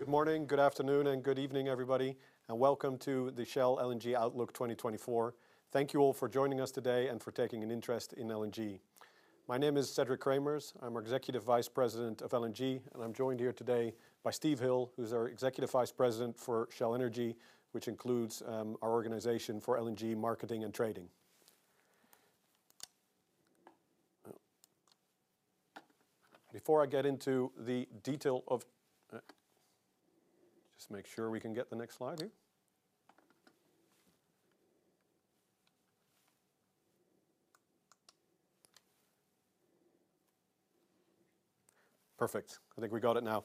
Good morning, good afternoon, and good evening, everybody, and welcome to the Shell LNG Outlook 2024. Thank you all for joining us today and for taking an interest in LNG. My name is Cederic Cremers. I'm Executive Vice President of LNG, and I'm joined here today by Steve Hill, who's our Executive Vice President for Shell Energy, which includes our organization for LNG marketing and trading. Before I get into the detail of just make sure we can get the next slide here. Perfect. I think we got it now.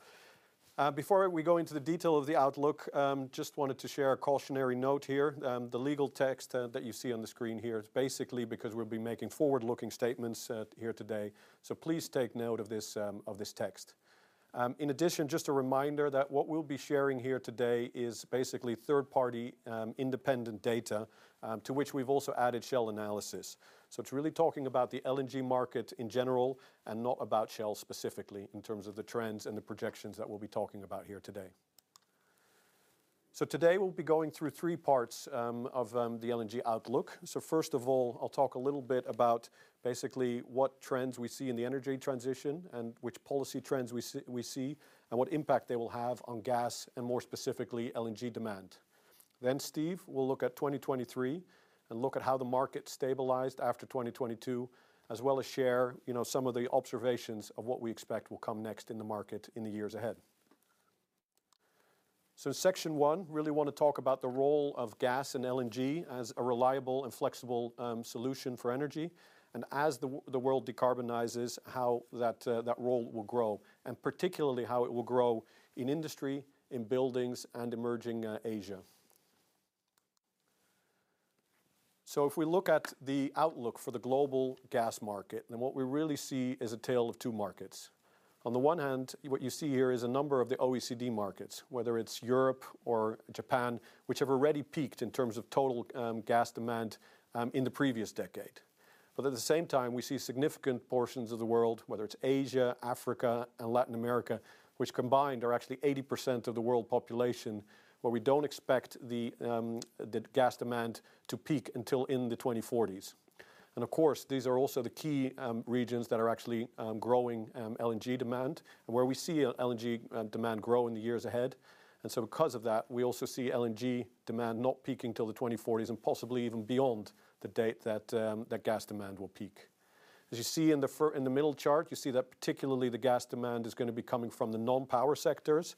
Before we go into the detail of the outlook, just wanted to share a cautionary note here. The legal text that you see on the screen here is basically because we'll be making forward-looking statements here today, so please take note of this text. In addition, just a reminder that what we'll be sharing here today is basically third-party independent data to which we've also added Shell analysis. So it's really talking about the LNG market in general and not about Shell specifically in terms of the trends and the projections that we'll be talking about here today. So today we'll be going through three parts of the LNG outlook. So first of all, I'll talk a little bit about basically what trends we see in the energy transition and which policy trends we see and what impact they will have on gas and more specifically LNG demand. Then Steve will look at 2023 and look at how the market stabilized after 2022, as well as share some of the observations of what we expect will come next in the market in the years ahead. So in Section One, really want to talk about the role of gas and LNG as a reliable and flexible solution for energy, and as the world decarbonizes, how that role will grow, and particularly how it will grow in industry, in buildings, and emerging Asia. So if we look at the outlook for the global gas market, then what we really see is a tale of two markets. On the one hand, what you see here is a number of the OECD markets, whether it's Europe or Japan, which have already peaked in terms of total gas demand in the previous decade. But at the same time, we see significant portions of the world, whether it's Asia, Africa, and Latin America, which combined are actually 80% of the world population, where we don't expect the gas demand to peak until in the 2040s. Of course, these are also the key regions that are actually growing LNG demand and where we see LNG demand grow in the years ahead. Because of that, we also see LNG demand not peaking till the 2040s and possibly even beyond the date that gas demand will peak. As you see in the middle chart, you see that particularly the gas demand is going to be coming from the non-power sectors.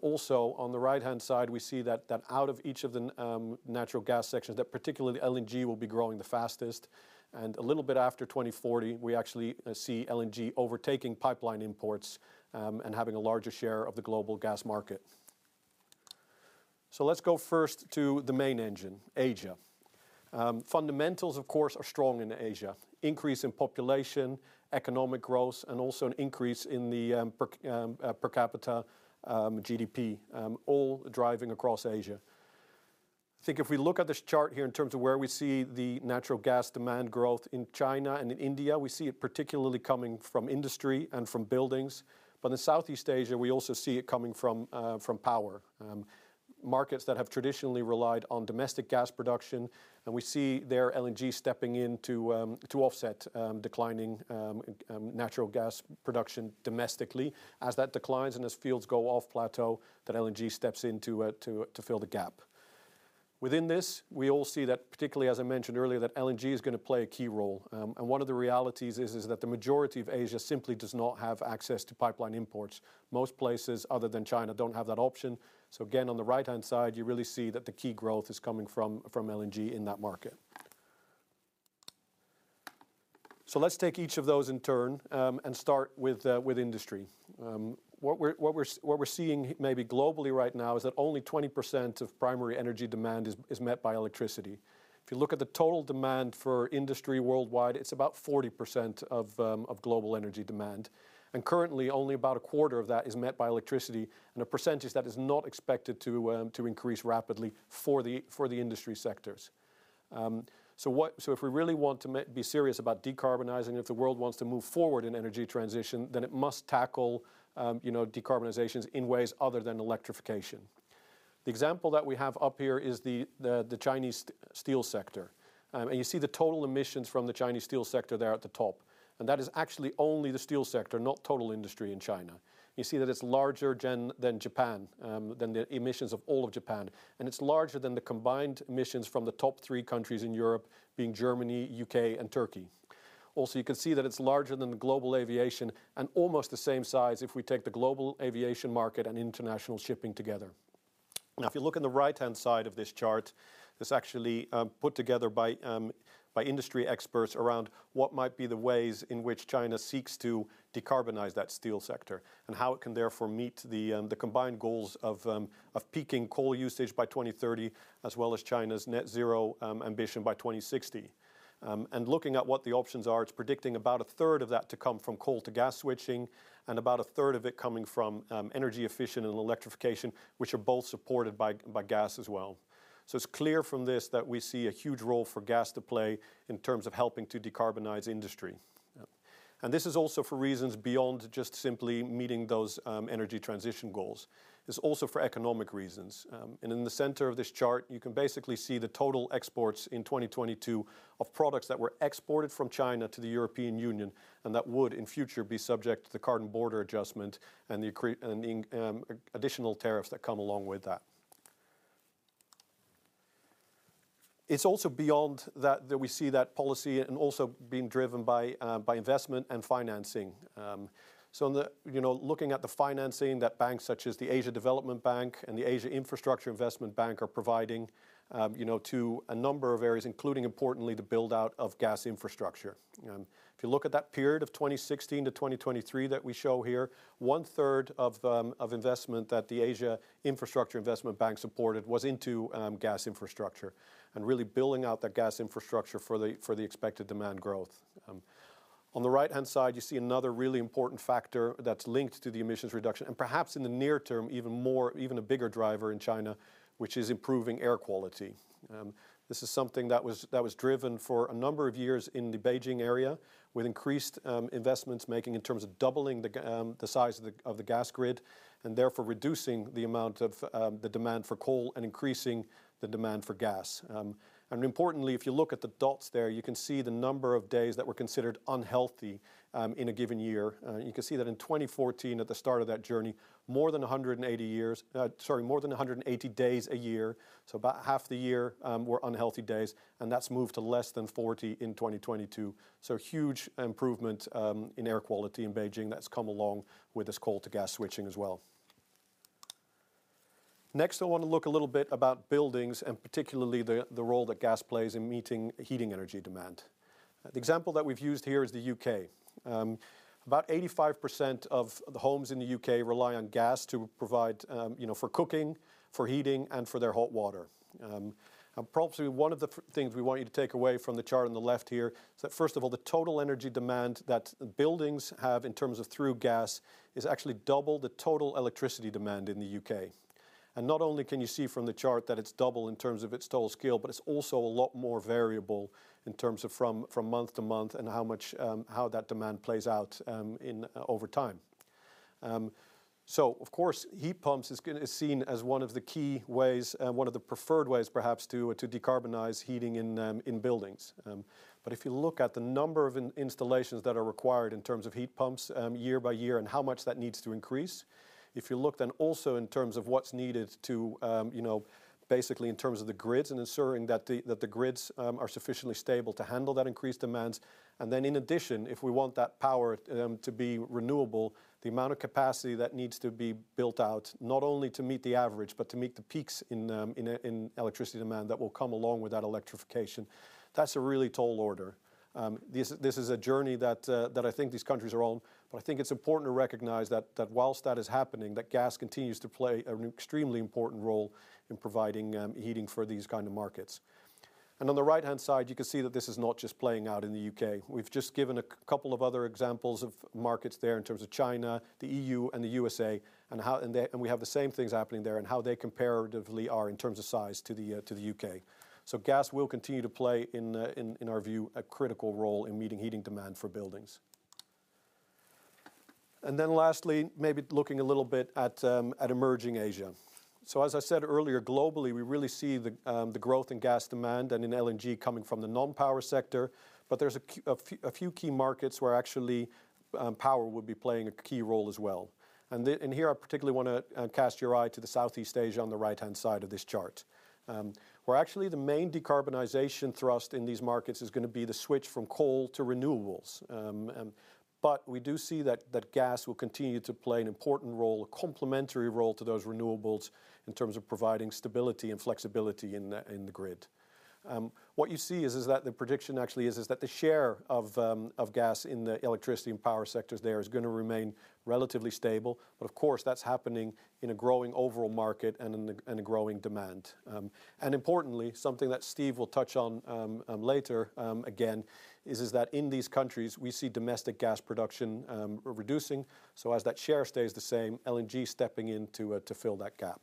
Also on the right-hand side, we see that out of each of the natural gas sections, that particularly LNG will be growing the fastest. A little bit after 2040, we actually see LNG overtaking pipeline imports and having a larger share of the global gas market. Let's go first to the main engine, Asia. Fundamentals, of course, are strong in Asia: increase in population, economic growth, and also an increase in the per capita GDP, all driving across Asia. I think if we look at this chart here in terms of where we see the natural gas demand growth in China and in India, we see it particularly coming from industry and from buildings. But in Southeast Asia, we also see it coming from power, markets that have traditionally relied on domestic gas production. And we see there LNG stepping in to offset declining natural gas production domestically. As that declines and as fields go off-plateau, that LNG steps in to fill the gap. Within this, we all see that, particularly as I mentioned earlier, that LNG is going to play a key role. And one of the realities is that the majority of Asia simply does not have access to pipeline imports. Most places, other than China, don't have that option. So again, on the right-hand side, you really see that the key growth is coming from LNG in that market. So let's take each of those in turn and start with industry. What we're seeing maybe globally right now is that only 20% of primary energy demand is met by electricity. If you look at the total demand for industry worldwide, it's about 40% of global energy demand. Currently, only about a quarter of that is met by electricity, and a percentage that is not expected to increase rapidly for the industry sectors. If we really want to be serious about decarbonizing, and if the world wants to move forward in energy transition, then it must tackle decarbonizations in ways other than electrification. The example that we have up here is the Chinese steel sector. You see the total emissions from the Chinese steel sector there at the top. That is actually only the steel sector, not total industry in China. You see that it's larger than Japan, than the emissions of all of Japan. It's larger than the combined emissions from the top three countries in Europe, being Germany, U.K., and Turkey. Also, you can see that it's larger than the global aviation and almost the same size if we take the global aviation market and international shipping together. Now, if you look in the right-hand side of this chart, this is actually put together by industry experts around what might be the ways in which China seeks to decarbonize that steel sector and how it can therefore meet the combined goals of peaking coal usage by 2030, as well as China's net-zero ambition by 2060. Looking at what the options are, it's predicting about a third of that to come from coal-to-gas switching and about a third of it coming from energy efficient and electrification, which are both supported by gas as well. So it's clear from this that we see a huge role for gas to play in terms of helping to decarbonize industry. This is also for reasons beyond just simply meeting those energy transition goals. It's also for economic reasons. In the center of this chart, you can basically see the total exports in 2022 of products that were exported from China to the European Union and that would in future be subject to the carbon border adjustment and the additional tariffs that come along with that. It's also beyond that that we see that policy and also being driven by investment and financing. Looking at the financing that banks such as the Asian Development Bank and the Asian Infrastructure Investment Bank are providing to a number of areas, including importantly the build-out of gas infrastructure. If you look at that period of 2016 to 2023 that we show here, one-third of investment that the Asian Infrastructure Investment Bank supported was into gas infrastructure and really building out that gas infrastructure for the expected demand growth. On the right-hand side, you see another really important factor that's linked to the emissions reduction and perhaps in the near term even a bigger driver in China, which is improving air quality. This is something that was driven for a number of years in the Beijing area with increased investments making in terms of doubling the size of the gas grid and therefore reducing the amount of the demand for coal and increasing the demand for gas. Importantly, if you look at the dots there, you can see the number of days that were considered unhealthy in a given year. You can see that in 2014, at the start of that journey, more than 180 years sorry, more than 180 days a year, so about half the year were unhealthy days. That's moved to less than 40 in 2022. Huge improvement in air quality in Beijing that's come along with this coal-to-gas switching as well. Next, I want to look a little bit about buildings and particularly the role that gas plays in meeting heating energy demand. The example that we've used here is the U.K.. About 85% of the homes in the U.K. rely on gas to provide for cooking, for heating, and for their hot water. Probably one of the things we want you to take away from the chart on the left here is that, first of all, the total energy demand that buildings have in terms of through gas is actually double the total electricity demand in the U.K.. And not only can you see from the chart that it's double in terms of its total scale, but it's also a lot more variable in terms of from month to month and how that demand plays out over time. So of course, heat pumps are seen as one of the key ways, one of the preferred ways perhaps to decarbonize heating in buildings. But if you look at the number of installations that are required in terms of heat pumps year by year and how much that needs to increase, if you look then also in terms of what's needed to basically in terms of the grids and ensuring that the grids are sufficiently stable to handle that increased demands. And then in addition, if we want that power to be renewable, the amount of capacity that needs to be built out not only to meet the average but to meet the peaks in electricity demand that will come along with that electrification, that's a really tall order. This is a journey that I think these countries are on. But I think it's important to recognize that while that is happening, that gas continues to play an extremely important role in providing heating for these kind of markets. And on the right-hand side, you can see that this is not just playing out in the U.K.. We've just given a couple of other examples of markets there in terms of China, the EU, and the USA, and we have the same things happening there and how they comparatively are in terms of size to the U.K.. So gas will continue to play, in our view, a critical role in meeting heating demand for buildings. And then lastly, maybe looking a little bit at emerging Asia. So as I said earlier, globally, we really see the growth in gas demand and in LNG coming from the non-power sector. But there's a few key markets where actually power would be playing a key role as well. Here I particularly want to cast your eye to the Southeast Asia on the right-hand side of this chart, where actually the main decarbonization thrust in these markets is going to be the switch from coal to renewables. But we do see that gas will continue to play an important role, a complementary role to those renewables in terms of providing stability and flexibility in the grid. What you see is that the prediction actually is that the share of gas in the electricity and power sectors there is going to remain relatively stable. But of course, that's happening in a growing overall market and a growing demand. And importantly, something that Steve will touch on later again is that in these countries, we see domestic gas production reducing. So as that share stays the same, LNG is stepping in to fill that gap.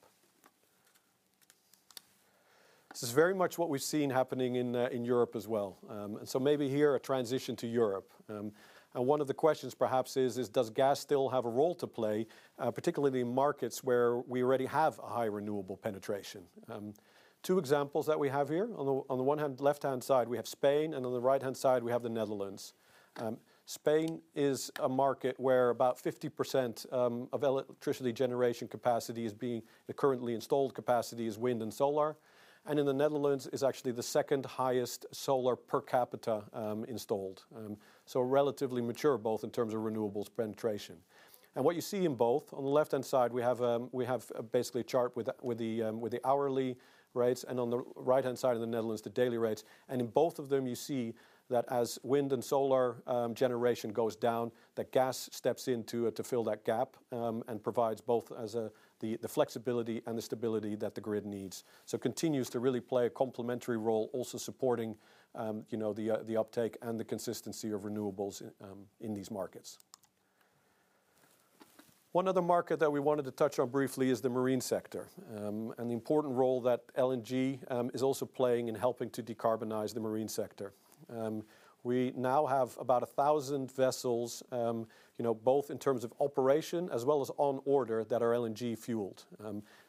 This is very much what we've seen happening in Europe as well. Maybe here a transition to Europe. One of the questions perhaps is, does gas still have a role to play, particularly in markets where we already have a high renewable penetration? Two examples that we have here. On the left-hand side, we have Spain. On the right-hand side, we have the Netherlands. Spain is a market where about 50% of electricity generation capacity is being the currently installed capacity is wind and solar. In the Netherlands, it's actually the second highest solar per capita installed, so relatively mature both in terms of renewables penetration. What you see in both on the left-hand side, we have basically a chart with the hourly rates. On the right-hand side in the Netherlands, the daily rates. In both of them, you see that as wind and solar generation goes down, that gas steps in to fill that gap and provides both the flexibility and the stability that the grid needs, so continues to really play a complementary role also supporting the uptake and the consistency of renewables in these markets. One other market that we wanted to touch on briefly is the marine sector and the important role that LNG is also playing in helping to decarbonize the marine sector. We now have about 1,000 vessels, both in terms of operation as well as on order, that are LNG-fueled.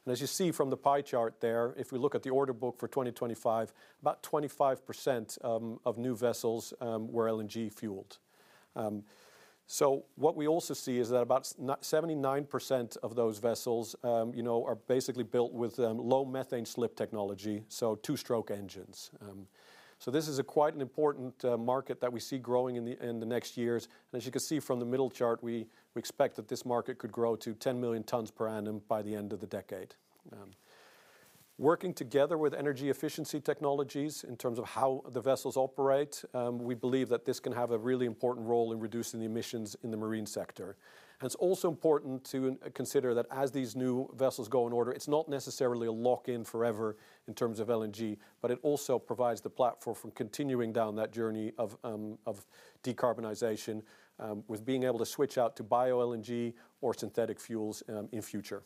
As you see from the pie chart there, if we look at the order book for 2025, about 25% of new vessels were LNG-fueled. So what we also see is that about 79% of those vessels are basically built with low-methane slip technology, so two-stroke engines. So this is quite an important market that we see growing in the next years. And as you can see from the middle chart, we expect that this market could grow to 10 million tons per annum by the end of the decade. Working together with energy efficiency technologies in terms of how the vessels operate, we believe that this can have a really important role in reducing the emissions in the marine sector. And it's also important to consider that as these new vessels go in order, it's not necessarily a lock-in forever in terms of LNG. But it also provides the platform for continuing down that journey of decarbonization with being able to switch out to bio-LNG or synthetic fuels in future.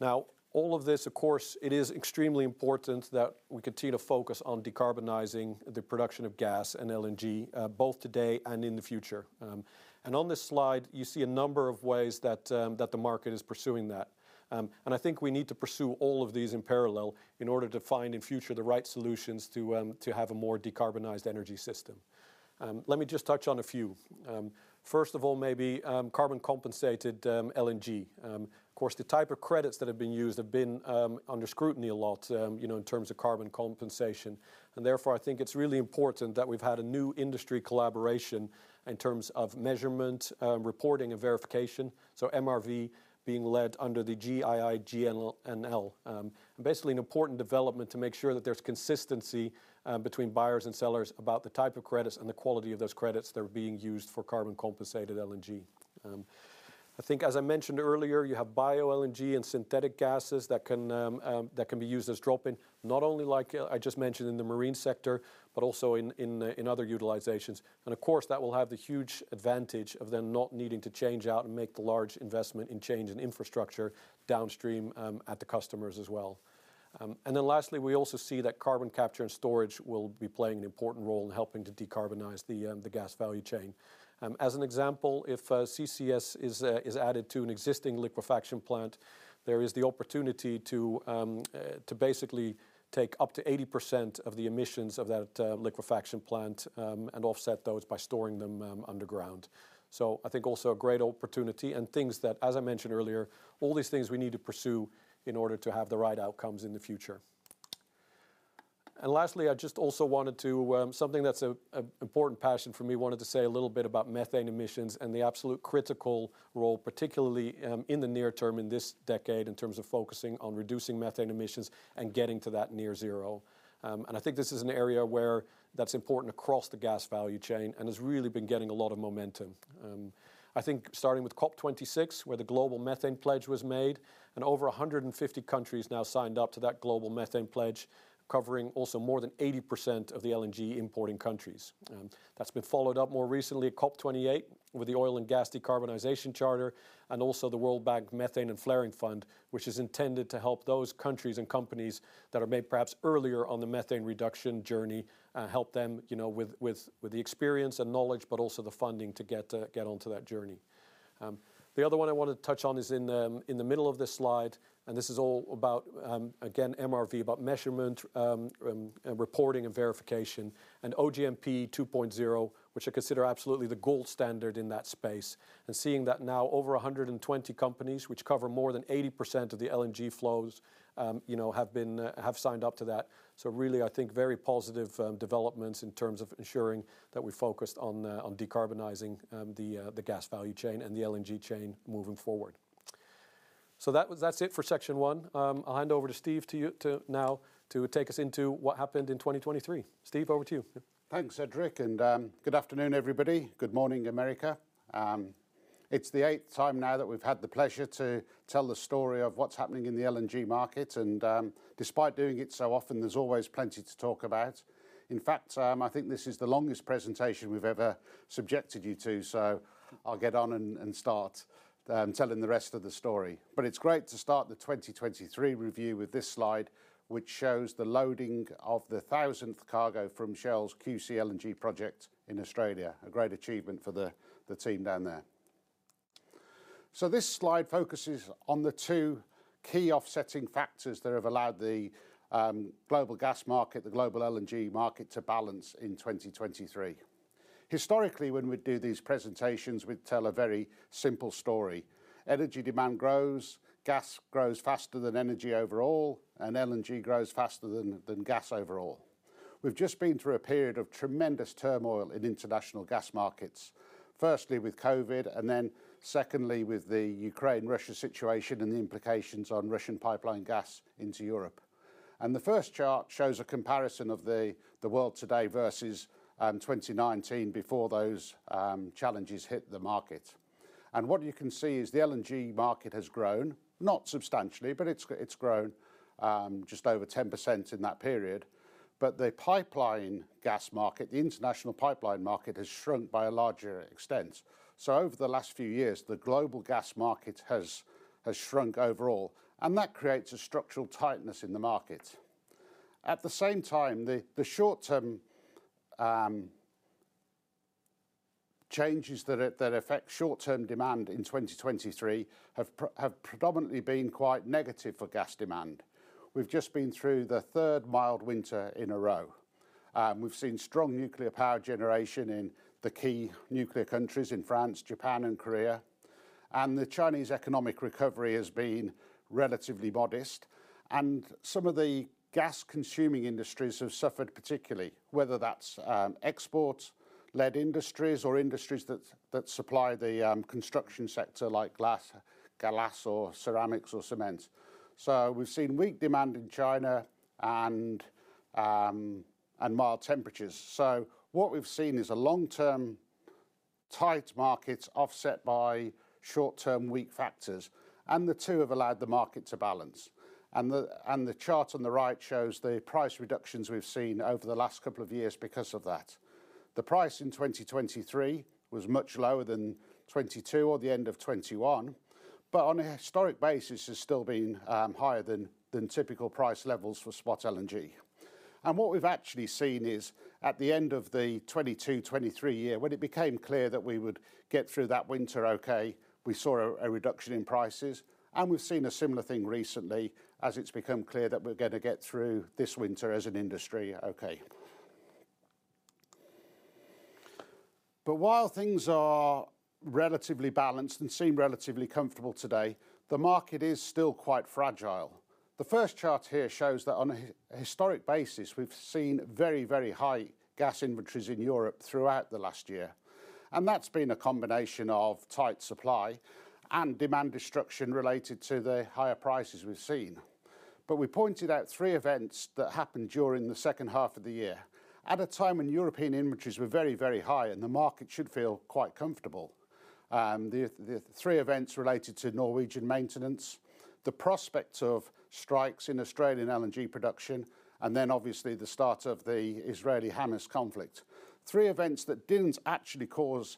Now, all of this, of course, it is extremely important that we continue to focus on decarbonizing the production of gas and LNG both today and in the future. And on this slide, you see a number of ways that the market is pursuing that. And I think we need to pursue all of these in parallel in order to find in future the right solutions to have a more decarbonized energy system. Let me just touch on a few. First of all, maybe carbon-compensated LNG. Of course, the type of credits that have been used have been under scrutiny a lot in terms of carbon compensation. And therefore, I think it's really important that we've had a new industry collaboration in terms of measurement, reporting, and verification, so MRV being led under the GIIGNL. Basically, an important development to make sure that there's consistency between buyers and sellers about the type of credits and the quality of those credits that are being used for carbon-compensated LNG. I think, as I mentioned earlier, you have bio-LNG and synthetic gases that can be used as drop-in, not only like I just mentioned in the marine sector but also in other utilizations. Of course, that will have the huge advantage of then not needing to change out and make the large investment in change in infrastructure downstream at the customers as well. Then lastly, we also see that carbon capture and storage will be playing an important role in helping to decarbonize the gas value chain. As an example, if CCS is added to an existing liquefaction plant, there is the opportunity to basically take up to 80% of the emissions of that liquefaction plant and offset those by storing them underground. So I think also a great opportunity and things that, as I mentioned earlier, all these things we need to pursue in order to have the right outcomes in the future. And lastly, I just also wanted to something that's an important passion for me, wanted to say a little bit about methane emissions and the absolute critical role, particularly in the near term in this decade in terms of focusing on reducing methane emissions and getting to that near-zero. And I think this is an area where that's important across the gas value chain and has really been getting a lot of momentum. I think starting with COP26, where the Global Methane Pledge was made, and over 150 countries now signed up to that Global Methane Pledge, covering also more than 80% of the LNG-importing countries. That's been followed up more recently at COP28 with the Oil and Gas Decarbonization Charter and also the World Bank Methane and Flaring Fund, which is intended to help those countries and companies that are maybe perhaps earlier on the methane reduction journey help them with the experience and knowledge but also the funding to get onto that journey. The other one I wanted to touch on is in the middle of this slide. And this is all about, again, MRV, about measurement, reporting, and verification, and OGMP 2.0, which I consider absolutely the gold standard in that space. And seeing that now over 120 companies, which cover more than 80% of the LNG flows, have signed up to that. So really, I think very positive developments in terms of ensuring that we focused on decarbonizing the gas value chain and the LNG chain moving forward. So that's it for Section One. I'll hand over to Steve now to take us into what happened in 2023. Steve, over to you. Thanks, Cederic. And good afternoon, everybody. Good morning, America. It's the eighth time now that we've had the pleasure to tell the story of what's happening in the LNG market. And despite doing it so often, there's always plenty to talk about. In fact, I think this is the longest presentation we've ever subjected you to. So I'll get on and start telling the rest of the story. But it's great to start the 2023 review with this slide, which shows the loading of the 1,000th cargo from Shell's QCLNG project in Australia, a great achievement for the team down there. So this slide focuses on the two key offsetting factors that have allowed the global gas market, the global LNG market, to balance in 2023. Historically, when we do these presentations, we tell a very simple story. Energy demand grows. Gas grows faster than energy overall. And LNG grows faster than gas overall. We've just been through a period of tremendous turmoil in international gas markets, firstly with COVID and then secondly with the Ukraine-Russia situation and the implications on Russian pipeline gas into Europe. And the first chart shows a comparison of the world today versus 2019 before those challenges hit the market. What you can see is the LNG market has grown, not substantially, but it's grown just over 10% in that period. But the pipeline gas market, the international pipeline market, has shrunk by a larger extent. So over the last few years, the global gas market has shrunk overall. And that creates a structural tightness in the market. At the same time, the short-term changes that affect short-term demand in 2023 have predominantly been quite negative for gas demand. We've just been through the third mild winter in a row. We've seen strong nuclear power generation in the key nuclear countries in France, Japan, and Korea. And the Chinese economic recovery has been relatively modest. And some of the gas-consuming industries have suffered particularly, whether that's export-led industries or industries that supply the construction sector like glass or ceramics or cement. So we've seen weak demand in China and mild temperatures. So what we've seen is a long-term tight market offset by short-term weak factors. And the two have allowed the market to balance. And the chart on the right shows the price reductions we've seen over the last couple of years because of that. The price in 2023 was much lower than 2022 or the end of 2021. But on a historic basis, it's still been higher than typical price levels for spot LNG. And what we've actually seen is at the end of the 2022-2023 year, when it became clear that we would get through that winter okay, we saw a reduction in prices. And we've seen a similar thing recently as it's become clear that we're going to get through this winter as an industry okay. But while things are relatively balanced and seem relatively comfortable today, the market is still quite fragile. The first chart here shows that on a historic basis, we've seen very, very high gas inventories in Europe throughout the last year. And that's been a combination of tight supply and demand destruction related to the higher prices we've seen. But we pointed out three events that happened during the second half of the year at a time when European inventories were very, very high and the market should feel quite comfortable: the three events related to Norwegian maintenance, the prospect of strikes in Australian LNG production, and then obviously the start of the Israeli-Hamas conflict. Three events that didn't actually cause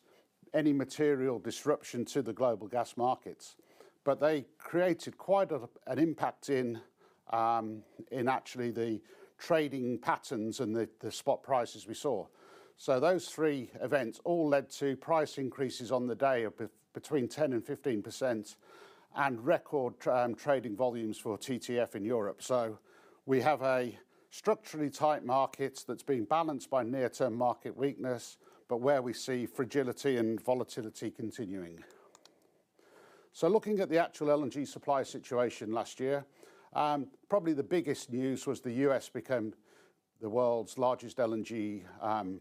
any material disruption to the global gas markets. But they created quite an impact in actually the trading patterns and the spot prices we saw. So those three events all led to price increases on the day of between 10%-15% and record trading volumes for TTF in Europe. So we have a structurally tight market that's been balanced by near-term market weakness but where we see fragility and volatility continuing. So looking at the actual LNG supply situation last year, probably the biggest news was the U.S. became the world's largest LNG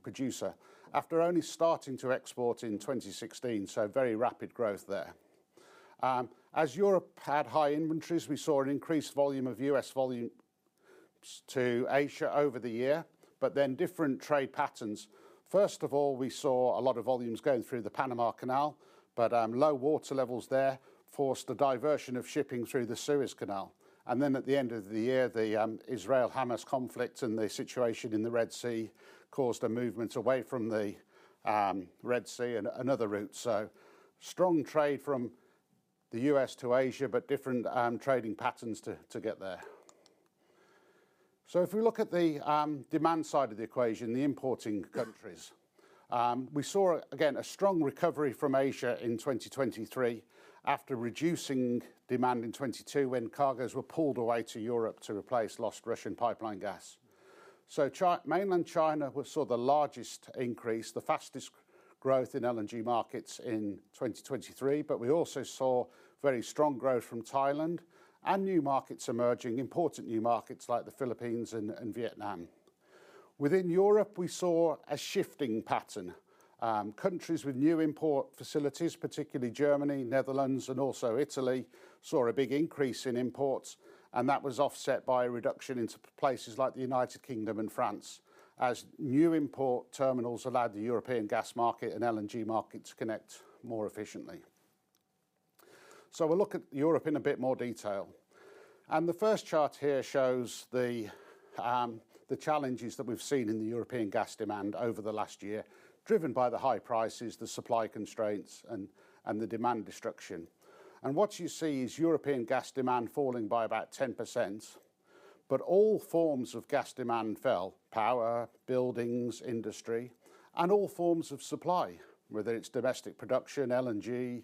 producer after only starting to export in 2016. So very rapid growth there. As Europe had high inventories, we saw an increased volume of U.S. volumes to Asia over the year. But then different trade patterns. First of all, we saw a lot of volumes going through the Panama Canal. But low water levels there forced a diversion of shipping through the Suez Canal. Then at the end of the year, the Israel-Hamas conflict and the situation in the Red Sea caused a movement away from the Red Sea and another route. So strong trade from the U.S. to Asia but different trading patterns to get there. So if we look at the demand side of the equation, the importing countries, we saw, again, a strong recovery from Asia in 2023 after reducing demand in 2022 when cargoes were pulled away to Europe to replace lost Russian pipeline gas. So mainland China saw the largest increase, the fastest growth in LNG markets in 2023. But we also saw very strong growth from Thailand and new markets emerging, important new markets like the Philippines and Vietnam. Within Europe, we saw a shifting pattern. Countries with new import facilities, particularly Germany, Netherlands, and also Italy, saw a big increase in imports. That was offset by a reduction into places like the United Kingdom and France as new import terminals allowed the European gas market and LNG market to connect more efficiently. So we'll look at Europe in a bit more detail. The first chart here shows the challenges that we've seen in the European gas demand over the last year driven by the high prices, the supply constraints, and the demand destruction. What you see is European gas demand falling by about 10%. But all forms of gas demand fell: power, buildings, industry, and all forms of supply, whether it's domestic production, LNG,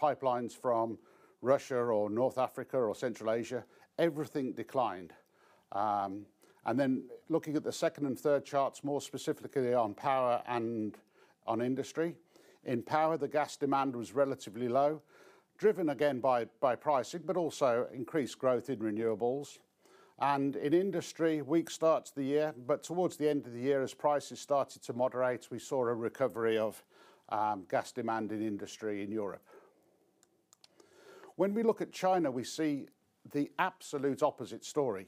pipelines from Russia or North Africa or Central Asia. Everything declined. Then looking at the second and third charts, more specifically on power and on industry, in power, the gas demand was relatively low, driven, again, by pricing but also increased growth in renewables. And in industry, weak starts the year. But towards the end of the year, as prices started to moderate, we saw a recovery of gas demand in industry in Europe. When we look at China, we see the absolute opposite story.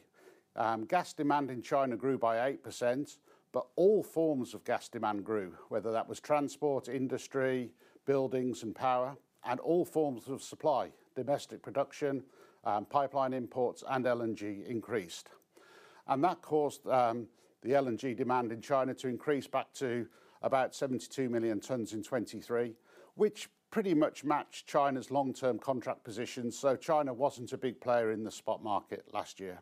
Gas demand in China grew by 8%. But all forms of gas demand grew, whether that was transport, industry, buildings, and power, and all forms of supply, domestic production, pipeline imports, and LNG, increased. And that caused the LNG demand in China to increase back to about 72 million tons in 2023, which pretty much matched China's long-term contract positions. So China wasn't a big player in the spot market last year.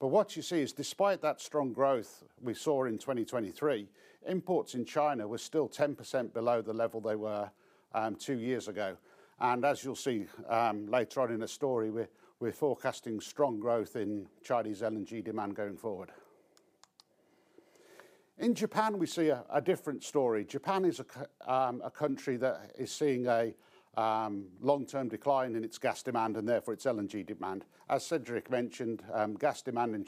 But what you see is, despite that strong growth we saw in 2023, imports in China were still 10% below the level they were two years ago. As you'll see later on in the story, we're forecasting strong growth in Chinese LNG demand going forward. In Japan, we see a different story. Japan is a country that is seeing a long-term decline in its gas demand and therefore its LNG demand. As Cederic mentioned, gas demand in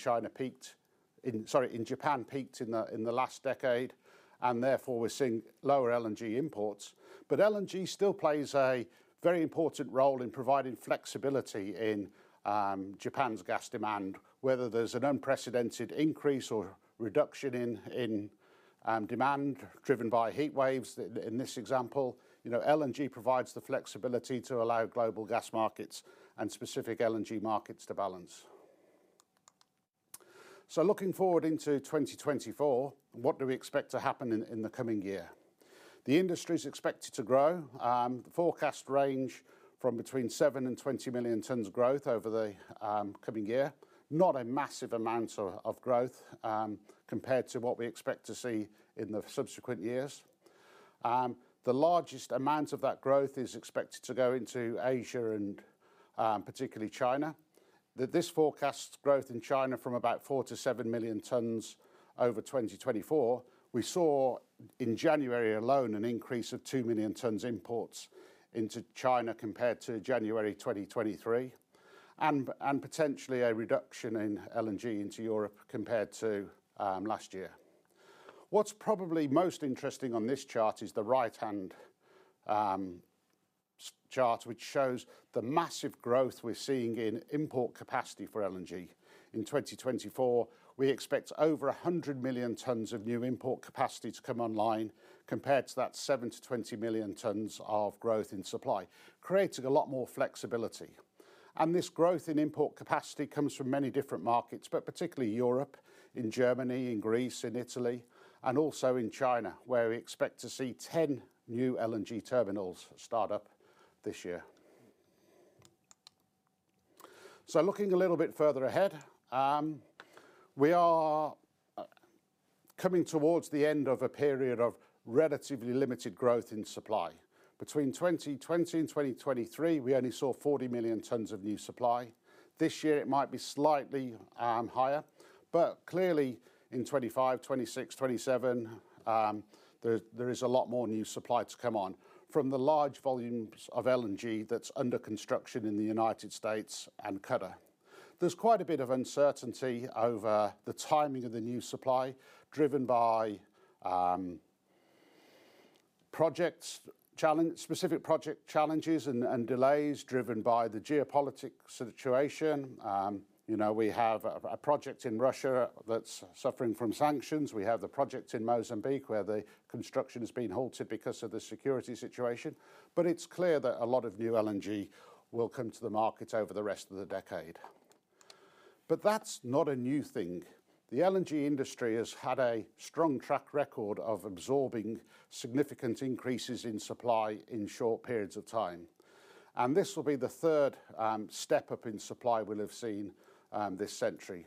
Japan peaked in the last decade. And therefore, we're seeing lower LNG imports. But LNG still plays a very important role in providing flexibility in Japan's gas demand, whether there's an unprecedented increase or reduction in demand driven by heat waves. In this example, LNG provides the flexibility to allow global gas markets and specific LNG markets to balance. So looking forward into 2024, what do we expect to happen in the coming year? The industry is expected to grow. The forecast range from between 7-20 million tons growth over the coming year, not a massive amount of growth compared to what we expect to see in the subsequent years. The largest amount of that growth is expected to go into Asia and particularly China. This forecasts growth in China from about 4-7 million tons over 2024. We saw in January alone an increase of 2 million tons imports into China compared to January 2023 and potentially a reduction in LNG into Europe compared to last year. What's probably most interesting on this chart is the right-hand chart, which shows the massive growth we're seeing in import capacity for LNG in 2024. We expect over 100 million tons of new import capacity to come online compared to that 7-20 million tons of growth in supply, creating a lot more flexibility. This growth in import capacity comes from many different markets but particularly Europe, in Germany, in Greece, in Italy, and also in China, where we expect to see 10 new LNG terminals start up this year. So looking a little bit further ahead, we are coming towards the end of a period of relatively limited growth in supply. Between 2020 and 2023, we only saw 40 million tons of new supply. This year, it might be slightly higher. But clearly, in 2025, 2026, 2027, there is a lot more new supply to come on from the large volumes of LNG that's under construction in the United States and Qatar. There's quite a bit of uncertainty over the timing of the new supply driven by specific project challenges and delays driven by the geopolitical situation. We have a project in Russia that's suffering from sanctions. We have the project in Mozambique where the construction has been halted because of the security situation. But it's clear that a lot of new LNG will come to the market over the rest of the decade. But that's not a new thing. The LNG industry has had a strong track record of absorbing significant increases in supply in short periods of time. And this will be the third step up in supply we'll have seen this century.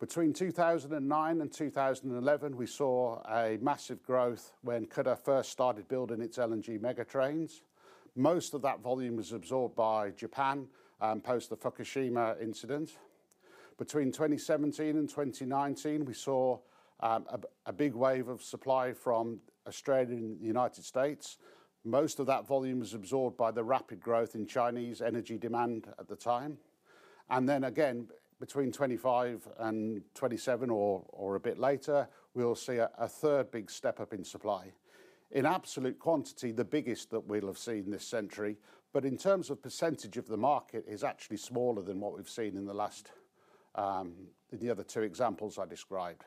Between 2009 and 2011, we saw a massive growth when Qatar first started building its LNG megatrains. Most of that volume was absorbed by Japan post the Fukushima incident. Between 2017 and 2019, we saw a big wave of supply from Australia and the United States. Most of that volume was absorbed by the rapid growth in Chinese energy demand at the time. And then again, between 2025 and 2027 or a bit later, we'll see a third big step up in supply, in absolute quantity, the biggest that we'll have seen this century. But in terms of percentage of the market, it's actually smaller than what we've seen in the other two examples I described.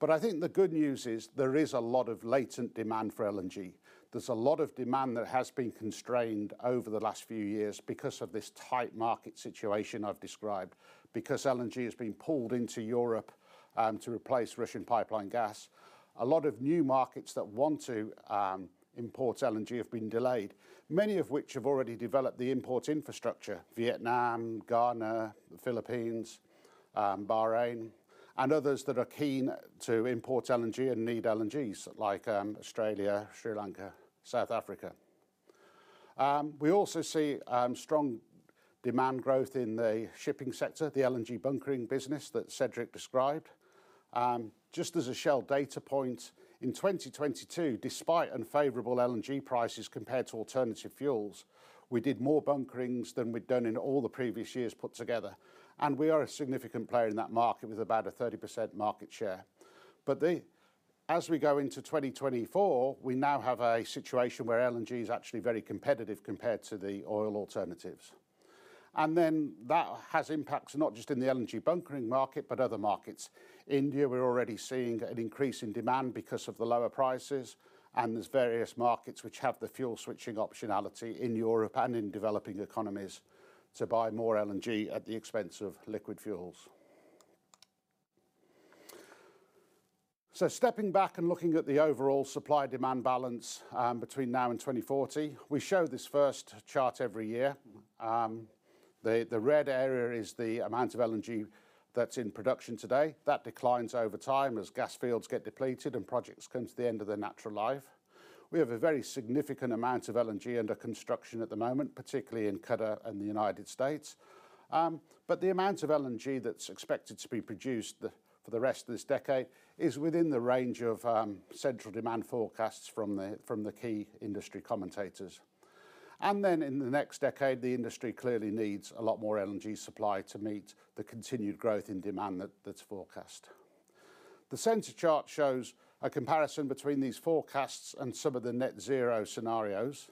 But I think the good news is there is a lot of latent demand for LNG. There's a lot of demand that has been constrained over the last few years because of this tight market situation I've described, because LNG has been pulled into Europe to replace Russian pipeline gas. A lot of new markets that want to import LNG have been delayed, many of which have already developed the import infrastructure: Vietnam, Ghana, the Philippines, Bahrain, and others that are keen to import LNG and need LNGs like Australia, Sri Lanka, South Africa. We also see strong demand growth in the shipping sector, the LNG bunkering business that Cederic described. Just as a Shell data point, in 2022, despite unfavorable LNG prices compared to alternative fuels, we did more bunkerings than we'd done in all the previous years put together. We are a significant player in that market with about a 30% market share. As we go into 2024, we now have a situation where LNG is actually very competitive compared to the oil alternatives. That has impacts not just in the LNG bunkering market but other markets. India, we're already seeing an increase in demand because of the lower prices. There's various markets which have the fuel switching optionality in Europe and in developing economies to buy more LNG at the expense of liquid fuels. So stepping back and looking at the overall supply-demand balance between now and 2040, we show this first chart every year. The red area is the amount of LNG that's in production today. That declines over time as gas fields get depleted and projects come to the end of their natural life. We have a very significant amount of LNG under construction at the moment, particularly in Qatar and the United States. But the amount of LNG that's expected to be produced for the rest of this decade is within the range of central demand forecasts from the key industry commentators. And then in the next decade, the industry clearly needs a lot more LNG supply to meet the continued growth in demand that's forecast. The center chart shows a comparison between these forecasts and some of the net-zero scenarios.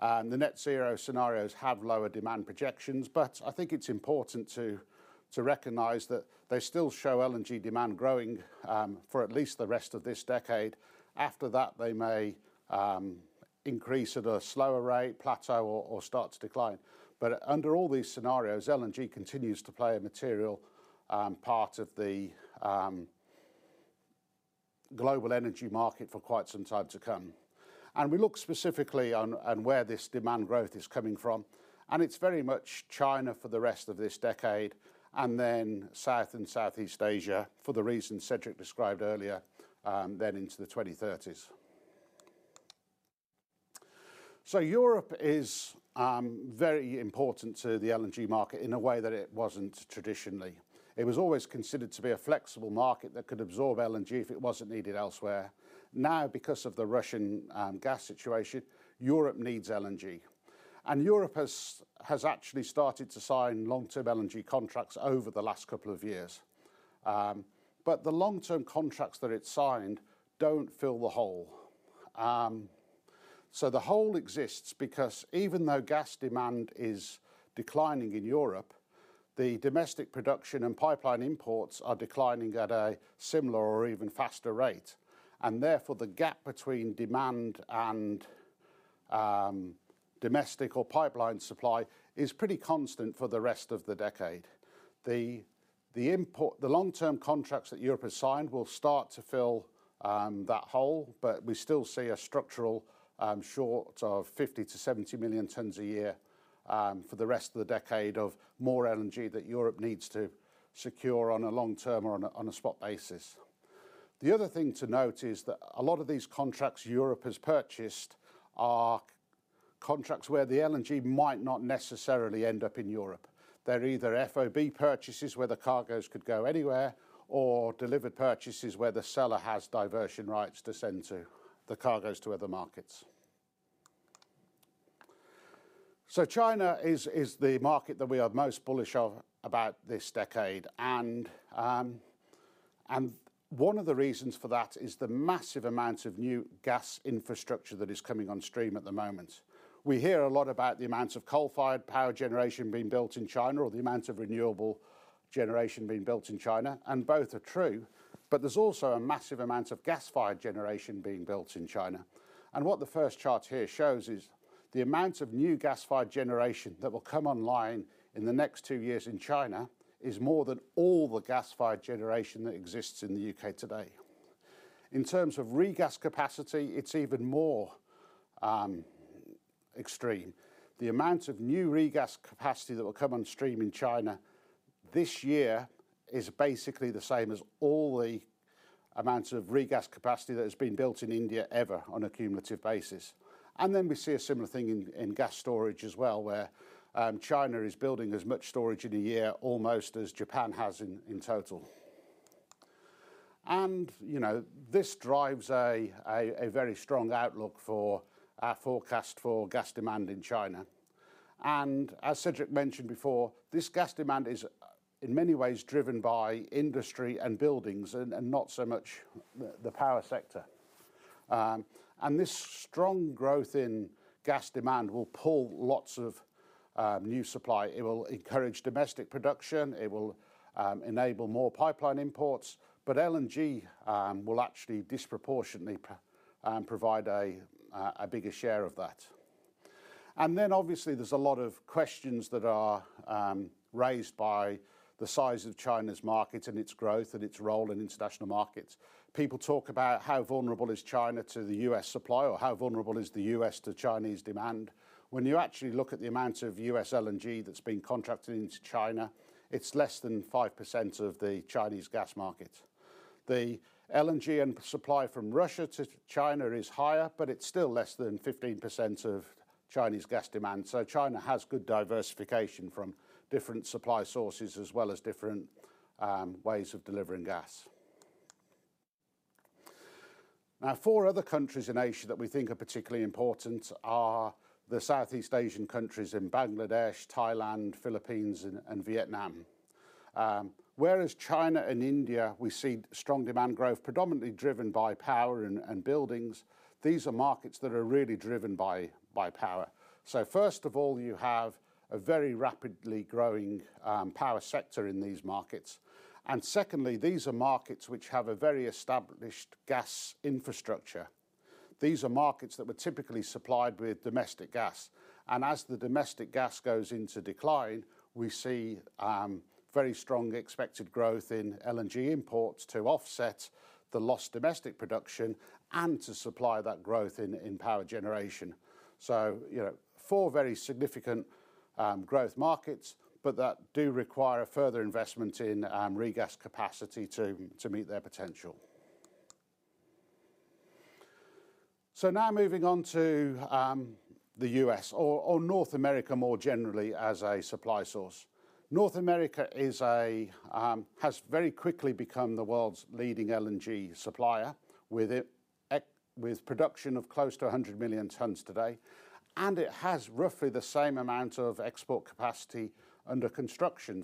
The net-zero scenarios have lower demand projections. But I think it's important to recognize that they still show LNG demand growing for at least the rest of this decade. After that, they may increase at a slower rate, plateau, or start to decline. But under all these scenarios, LNG continues to play a material part of the global energy market for quite some time to come. And we look specifically on where this demand growth is coming from. And it's very much China for the rest of this decade and then South and Southeast Asia for the reasons Cederic described earlier then into the 2030s. So Europe is very important to the LNG market in a way that it wasn't traditionally. It was always considered to be a flexible market that could absorb LNG if it wasn't needed elsewhere. Now, because of the Russian gas situation, Europe needs LNG. Europe has actually started to sign long-term LNG contracts over the last couple of years. The long-term contracts that it's signed don't fill the hole. The hole exists because even though gas demand is declining in Europe, the domestic production and pipeline imports are declining at a similar or even faster rate. Therefore, the gap between demand and domestic or pipeline supply is pretty constant for the rest of the decade. The long-term contracts that Europe has signed will start to fill that hole. We still see a structural short of 50-70 million tons a year for the rest of the decade of more LNG that Europe needs to secure on a long-term or on a spot basis. The other thing to note is that a lot of these contracts Europe has purchased are contracts where the LNG might not necessarily end up in Europe. They're either FOB purchases where the cargoes could go anywhere or delivered purchases where the seller has diversion rights to send the cargoes to other markets. China is the market that we are most bullish about this decade. One of the reasons for that is the massive amount of new gas infrastructure that is coming on stream at the moment. We hear a lot about the amount of coal-fired power generation being built in China or the amount of renewable generation being built in China. Both are true. There's also a massive amount of gas-fired generation being built in China. What the first chart here shows is the amount of new gas-fired generation that will come online in the next two years in China is more than all the gas-fired generation that exists in the U.K. today. In terms of regas capacity, it's even more extreme. The amount of new regas capacity that will come on stream in China this year is basically the same as all the amounts of regas capacity that has been built in India ever on a cumulative basis. Then we see a similar thing in gas storage as well, where China is building as much storage in a year almost as Japan has in total. This drives a very strong outlook for our forecast for gas demand in China. As Cederic mentioned before, this gas demand is in many ways driven by industry and buildings and not so much the power sector. This strong growth in gas demand will pull lots of new supply. It will encourage domestic production. It will enable more pipeline imports. But LNG will actually disproportionately provide a bigger share of that. Then obviously, there's a lot of questions that are raised by the size of China's market and its growth and its role in international markets. People talk about how vulnerable is China to the U.S. supply or how vulnerable is the U.S. to Chinese demand. When you actually look at the amount of U.S. LNG that's been contracted into China, it's less than 5% of the Chinese gas market. The LNG and supply from Russia to China is higher. But it's still less than 15% of Chinese gas demand. So China has good diversification from different supply sources as well as different ways of delivering gas. Now, four other countries in Asia that we think are particularly important are the Southeast Asian countries in Bangladesh, Thailand, Philippines, and Vietnam. Whereas China and India, we see strong demand growth predominantly driven by power and buildings. These are markets that are really driven by power. First of all, you have a very rapidly growing power sector in these markets. And secondly, these are markets which have a very established gas infrastructure. These are markets that were typically supplied with domestic gas. And as the domestic gas goes into decline, we see very strong expected growth in LNG imports to offset the lost domestic production and to supply that growth in power generation. Four very significant growth markets but that do require further investment in regas capacity to meet their potential. Now moving on to the U.S. or North America more generally as a supply source. North America has very quickly become the world's leading LNG supplier with production of close to 100 million tons today. It has roughly the same amount of export capacity under construction.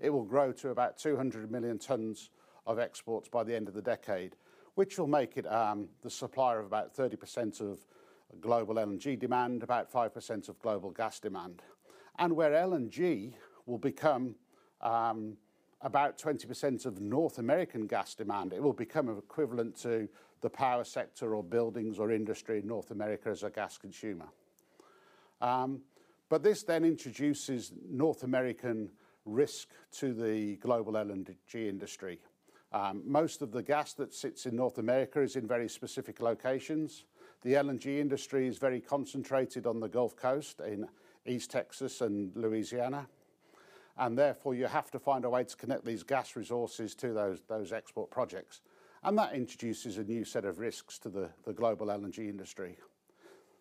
It will grow to about 200 million tons of exports by the end of the decade, which will make it the supplier of about 30% of global LNG demand, about 5% of global gas demand. Where LNG will become about 20% of North American gas demand, it will become equivalent to the power sector or buildings or industry in North America as a gas consumer. This then introduces North American risk to the global LNG industry. Most of the gas that sits in North America is in very specific locations. The LNG industry is very concentrated on the Gulf Coast in East Texas and Louisiana. Therefore, you have to find a way to connect these gas resources to those export projects. That introduces a new set of risks to the global LNG industry.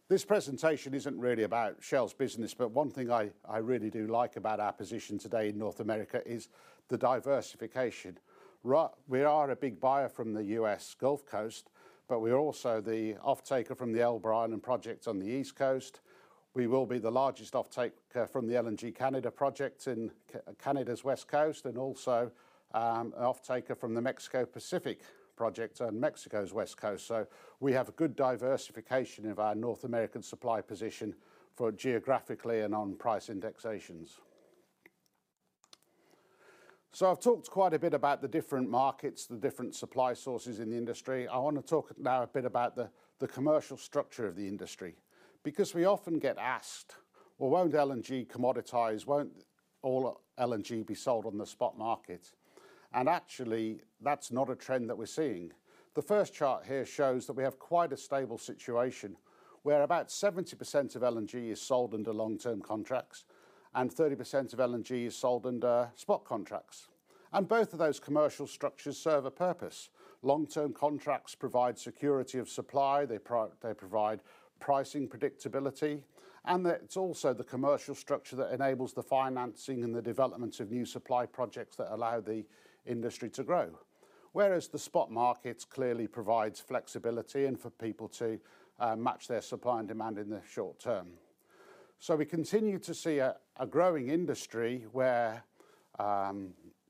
This presentation isn't really about Shell's business. One thing I really do like about our position today in North America is the diversification. We are a big buyer from the U.S. Gulf Coast. We're also the offtaker from the Elba Island projects on the East Coast. We will be the largest offtaker from the LNG Canada project in Canada's West Coast and also an offtaker from the Mexico Pacific project on Mexico's West Coast. So we have a good diversification of our North American supply position geographically and on price indexations. So I've talked quite a bit about the different markets, the different supply sources in the industry. I want to talk now a bit about the commercial structure of the industry because we often get asked, "Well, won't LNG commoditize? Won't all LNG be sold on the spot market?" And actually, that's not a trend that we're seeing. The first chart here shows that we have quite a stable situation where about 70% of LNG is sold under long-term contracts and 30% of LNG is sold under spot contracts. And both of those commercial structures serve a purpose. Long-term contracts provide security of supply. They provide pricing predictability. And it's also the commercial structure that enables the financing and the development of new supply projects that allow the industry to grow. Whereas the spot market clearly provides flexibility and for people to match their supply and demand in the short term. We continue to see a growing industry where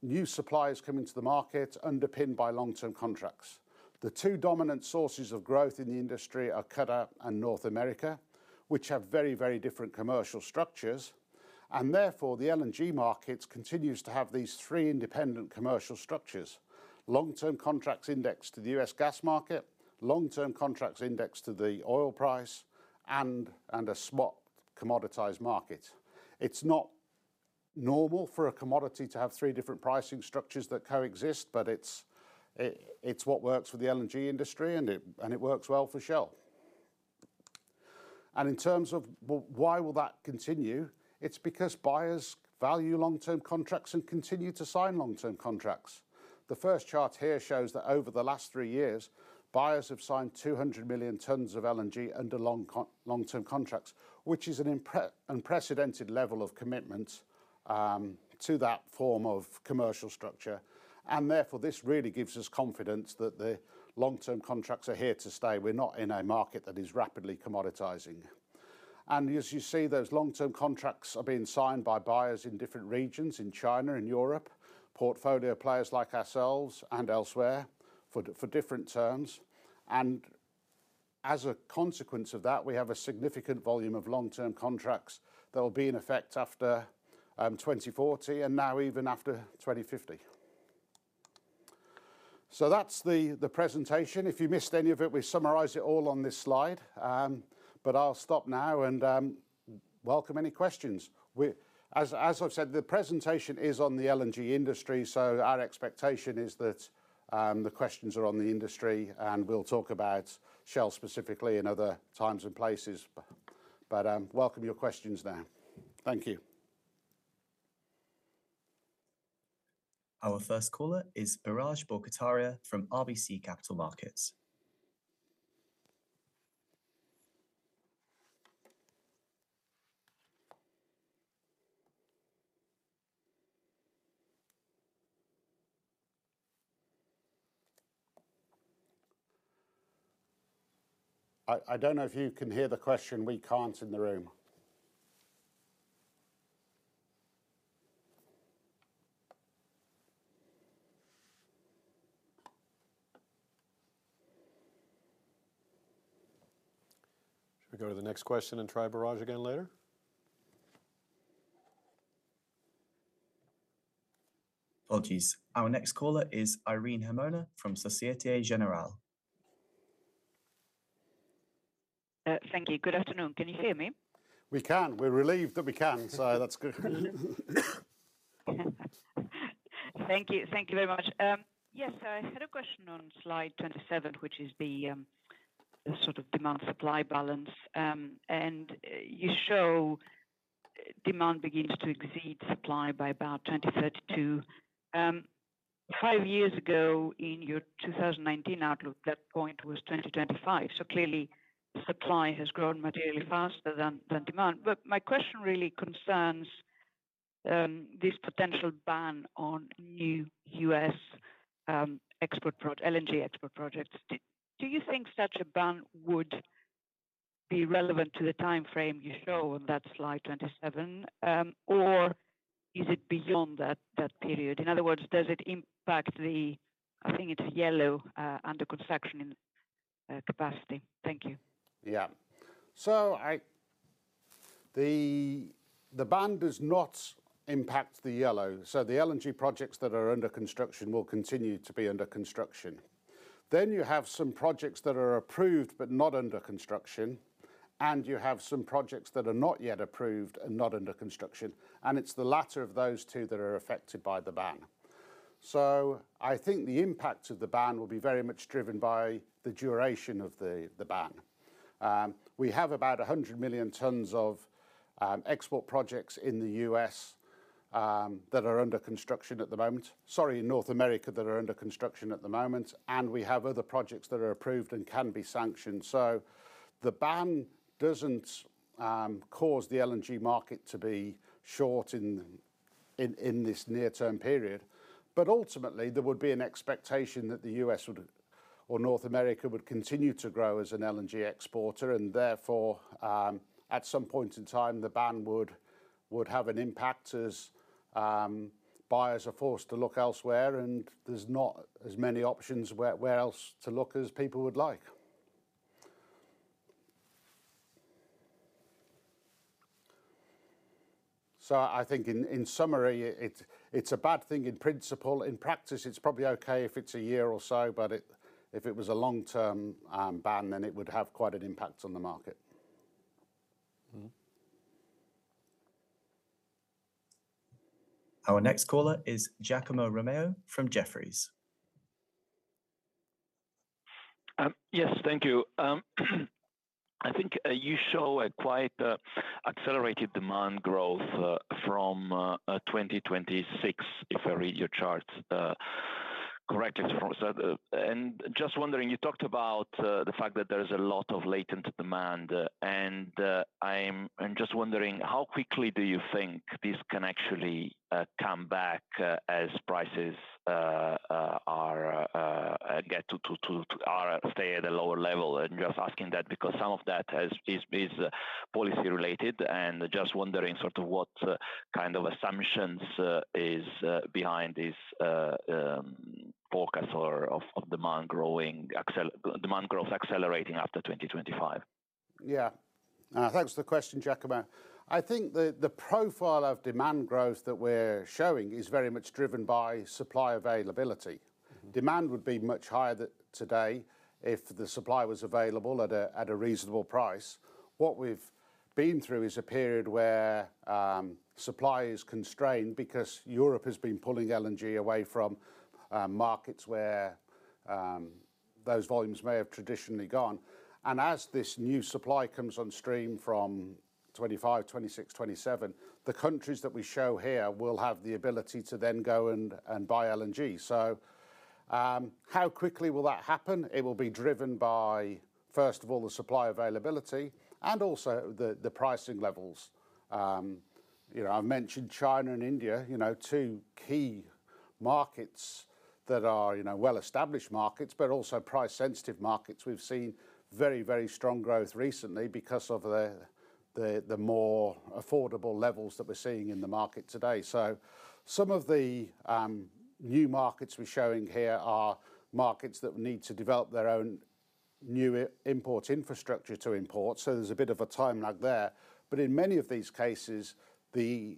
new supplies come into the market underpinned by long-term contracts. The two dominant sources of growth in the industry are Qatar and North America, which have very, very different commercial structures. Therefore, the LNG market continues to have these three independent commercial structures: long-term contracts indexed to the U.S. gas market, long-term contracts indexed to the oil price, and a spot commoditized market. It's not normal for a commodity to have three different pricing structures that coexist. It's what works for the LNG industry. It works well for Shell. In terms of why will that continue, it's because buyers value long-term contracts and continue to sign long-term contracts. The first chart here shows that over the last three years, buyers have signed 200 million tons of LNG under long-term contracts, which is an unprecedented level of commitment to that form of commercial structure. And therefore, this really gives us confidence that the long-term contracts are here to stay. We're not in a market that is rapidly commoditizing. And as you see, those long-term contracts are being signed by buyers in different regions in China, in Europe, portfolio players like ourselves and elsewhere for different terms. And as a consequence of that, we have a significant volume of long-term contracts that will be in effect after 2040 and now even after 2050. So that's the presentation. If you missed any of it, we summarize it all on this slide. But I'll stop now and welcome any questions. As I've said, the presentation is on the LNG industry. So our expectation is that the questions are on the industry. And we'll talk about Shell specifically in other times and places. But welcome your questions now. Thank you. Our first caller is Biraj Borkhataria from RBC Capital Markets. I don't know if you can hear the question. We can't in the room. Should we go to the next question and try Biraj again later? Oh, jeez. Our next caller is Irene Himona from Societe Generale. Thank you. Good afternoon. Can you hear me? We can. We're relieved that we can. So that's good. Thank you. Thank you very much. Yes. So I had a question on slide 27, which is the sort of demand-supply balance. And you show demand begins to exceed supply by about 2032. Five years ago in your 2019 outlook, that point was 2025. So clearly, supply has grown materially faster than demand. But my question really concerns this potential ban on new U.S. LNG export projects. Do you think such a ban would be relevant to the time frame you show on that slide 27? Or is it beyond that period? In other words, does it impact the I think it's yellow under construction capacity. Thank you. Yeah. So the ban does not impact the yellow. So the LNG projects that are under construction will continue to be under construction. Then you have some projects that are approved but not under construction. And you have some projects that are not yet approved and not under construction. And it's the latter of those two that are affected by the ban. So I think the impact of the ban will be very much driven by the duration of the ban. We have about 100 million tons of export projects in the U.S. that are under construction at the moment sorry, in North America that are under construction at the moment. And we have other projects that are approved and can be sanctioned. So the ban doesn't cause the LNG market to be short in this near-term period. But ultimately, there would be an expectation that the U.S. or North America would continue to grow as an LNG exporter. And therefore, at some point in time, the ban would have an impact as buyers are forced to look elsewhere. And there's not as many options where else to look as people would like. So I think in summary, it's a bad thing in principle. In practice, it's probably okay if it's a year or so. But if it was a long-term ban, then it would have quite an impact on the market. Our next caller is Giacomo Romeo from Jefferies. Yes. Thank you. I think you show quite accelerated demand growth from 2026 if I read your charts correctly. And just wondering, you talked about the fact that there is a lot of latent demand. And I'm just wondering, how quickly do you think this can actually come back as prices get to stay at a lower level? And just asking that because some of that is policy-related. And just wondering sort of what kind of assumptions is behind this forecast of demand growth accelerating after 2025. Yeah. Thanks for the question, Giacomo. I think the profile of demand growth that we're showing is very much driven by supply availability. Demand would be much higher today if the supply was available at a reasonable price. What we've been through is a period where supply is constrained because Europe has been pulling LNG away from markets where those volumes may have traditionally gone. As this new supply comes on stream from 2025, 2026, 2027, the countries that we show here will have the ability to then go and buy LNG. How quickly will that happen? It will be driven by, first of all, the supply availability and also the pricing levels. I've mentioned China and India, two key markets that are well-established markets but also price-sensitive markets. We've seen very, very strong growth recently because of the more affordable levels that we're seeing in the market today. Some of the new markets we're showing here are markets that need to develop their own new import infrastructure to import. There's a bit of a time lag there. But in many of these cases, the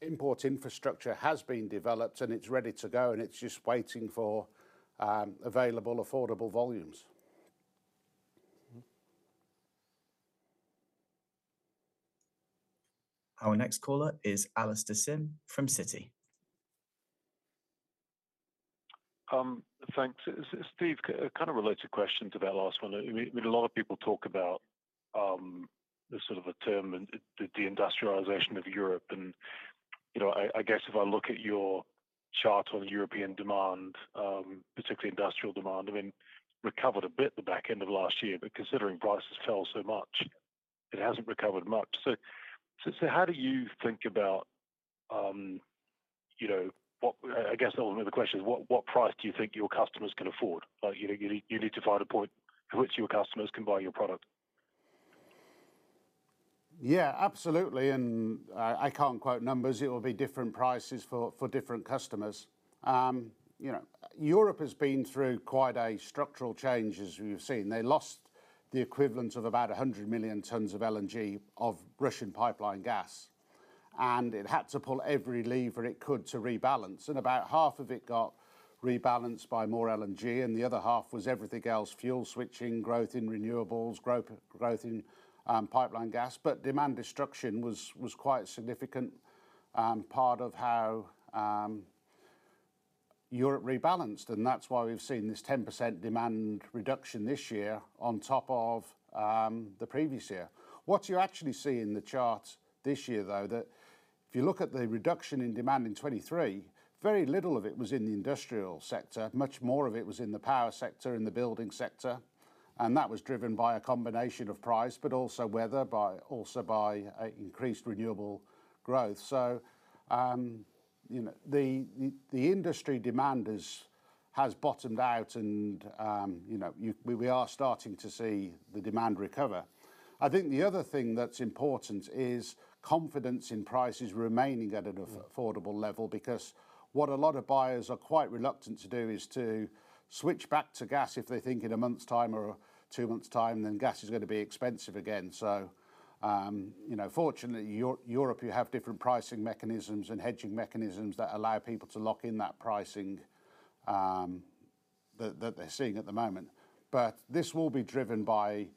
import infrastructure has been developed. And it's ready to go. And it's just waiting for available, affordable volumes. Our next caller is Alastair Syme from Citi. Thanks. Steve, kind of related question to that last one. I mean, a lot of people talk about sort of a term, the deindustrialization of Europe. And I guess if I look at your chart on European demand, particularly industrial demand, I mean. Recovered a bit the back end of last year. But considering prices fell so much, it hasn't recovered much. So how do you think about what I guess the question is, what price do you think your customers can afford? You need to find a point at which your customers can buy your product. Yeah. Absolutely. And I can't quote numbers. It will be different prices for different customers. Europe has been through quite a structural change as we've seen. They lost the equivalent of about 100 million tons of LNG of Russian pipeline gas. It had to pull every lever it could to rebalance. About half of it got rebalanced by more LNG. The other half was everything else: fuel switching, growth in renewables, growth in pipeline gas. But demand destruction was quite a significant part of how Europe rebalanced. That's why we've seen this 10% demand reduction this year on top of the previous year. What you actually see in the chart this year, though, that if you look at the reduction in demand in 2023, very little of it was in the industrial sector. Much more of it was in the power sector, in the building sector. That was driven by a combination of price but also weather, also by increased renewable growth. So the industry demand has bottomed out. We are starting to see the demand recover. I think the other thing that's important is confidence in prices remaining at an affordable level because what a lot of buyers are quite reluctant to do is to switch back to gas if they think in a month's time or two months' time, then gas is going to be expensive again. So fortunately, Europe, you have different pricing mechanisms and hedging mechanisms that allow people to lock in that pricing that they're seeing at the moment. But this will be driven by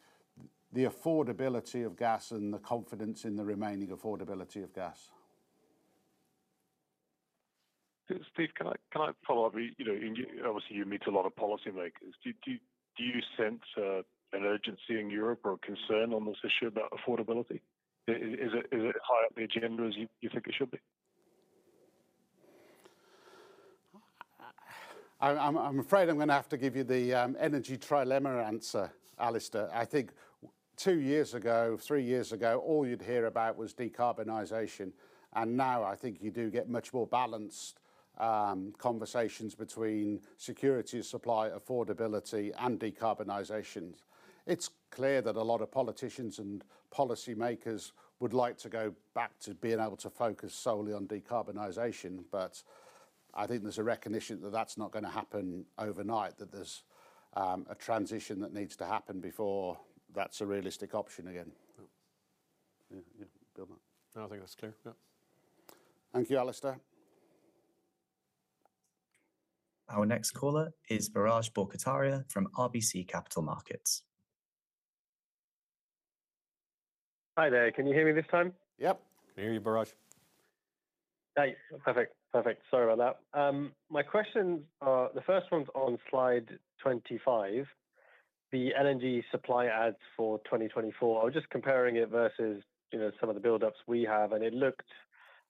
the affordability of gas and the confidence in the remaining affordability of gas. Steve, can I follow up? Obviously, you meet a lot of policymakers. Do you sense an urgency in Europe or a concern on this issue about affordability? Is it high on the agenda as you think it should be? I'm afraid I'm going to have to give you the energy trilemma answer, Alastair. I think two years ago, three years ago, all you'd hear about was decarbonization. And now, I think you do get much more balanced conversations between security of supply, affordability, and decarbonization. It's clear that a lot of politicians and policymakers would like to go back to being able to focus solely on decarbonization. But I think there's a recognition that that's not going to happen overnight, that there's a transition that needs to happen before that's a realistic option again. Yeah. Yeah. Go on. No, I think that's clear. Yeah. Thank you, Alastair. Our next caller is Biraj Borkhataria from RBC Capital Markets. Hi there. Can you hear me this time? Yep. We hear you, Biraj? Hey. Perfect. Perfect. Sorry about that. My questions are; the first one’s on slide 25, the LNG supply adds for 2024. I was just comparing it versus some of the buildups we have. And it looked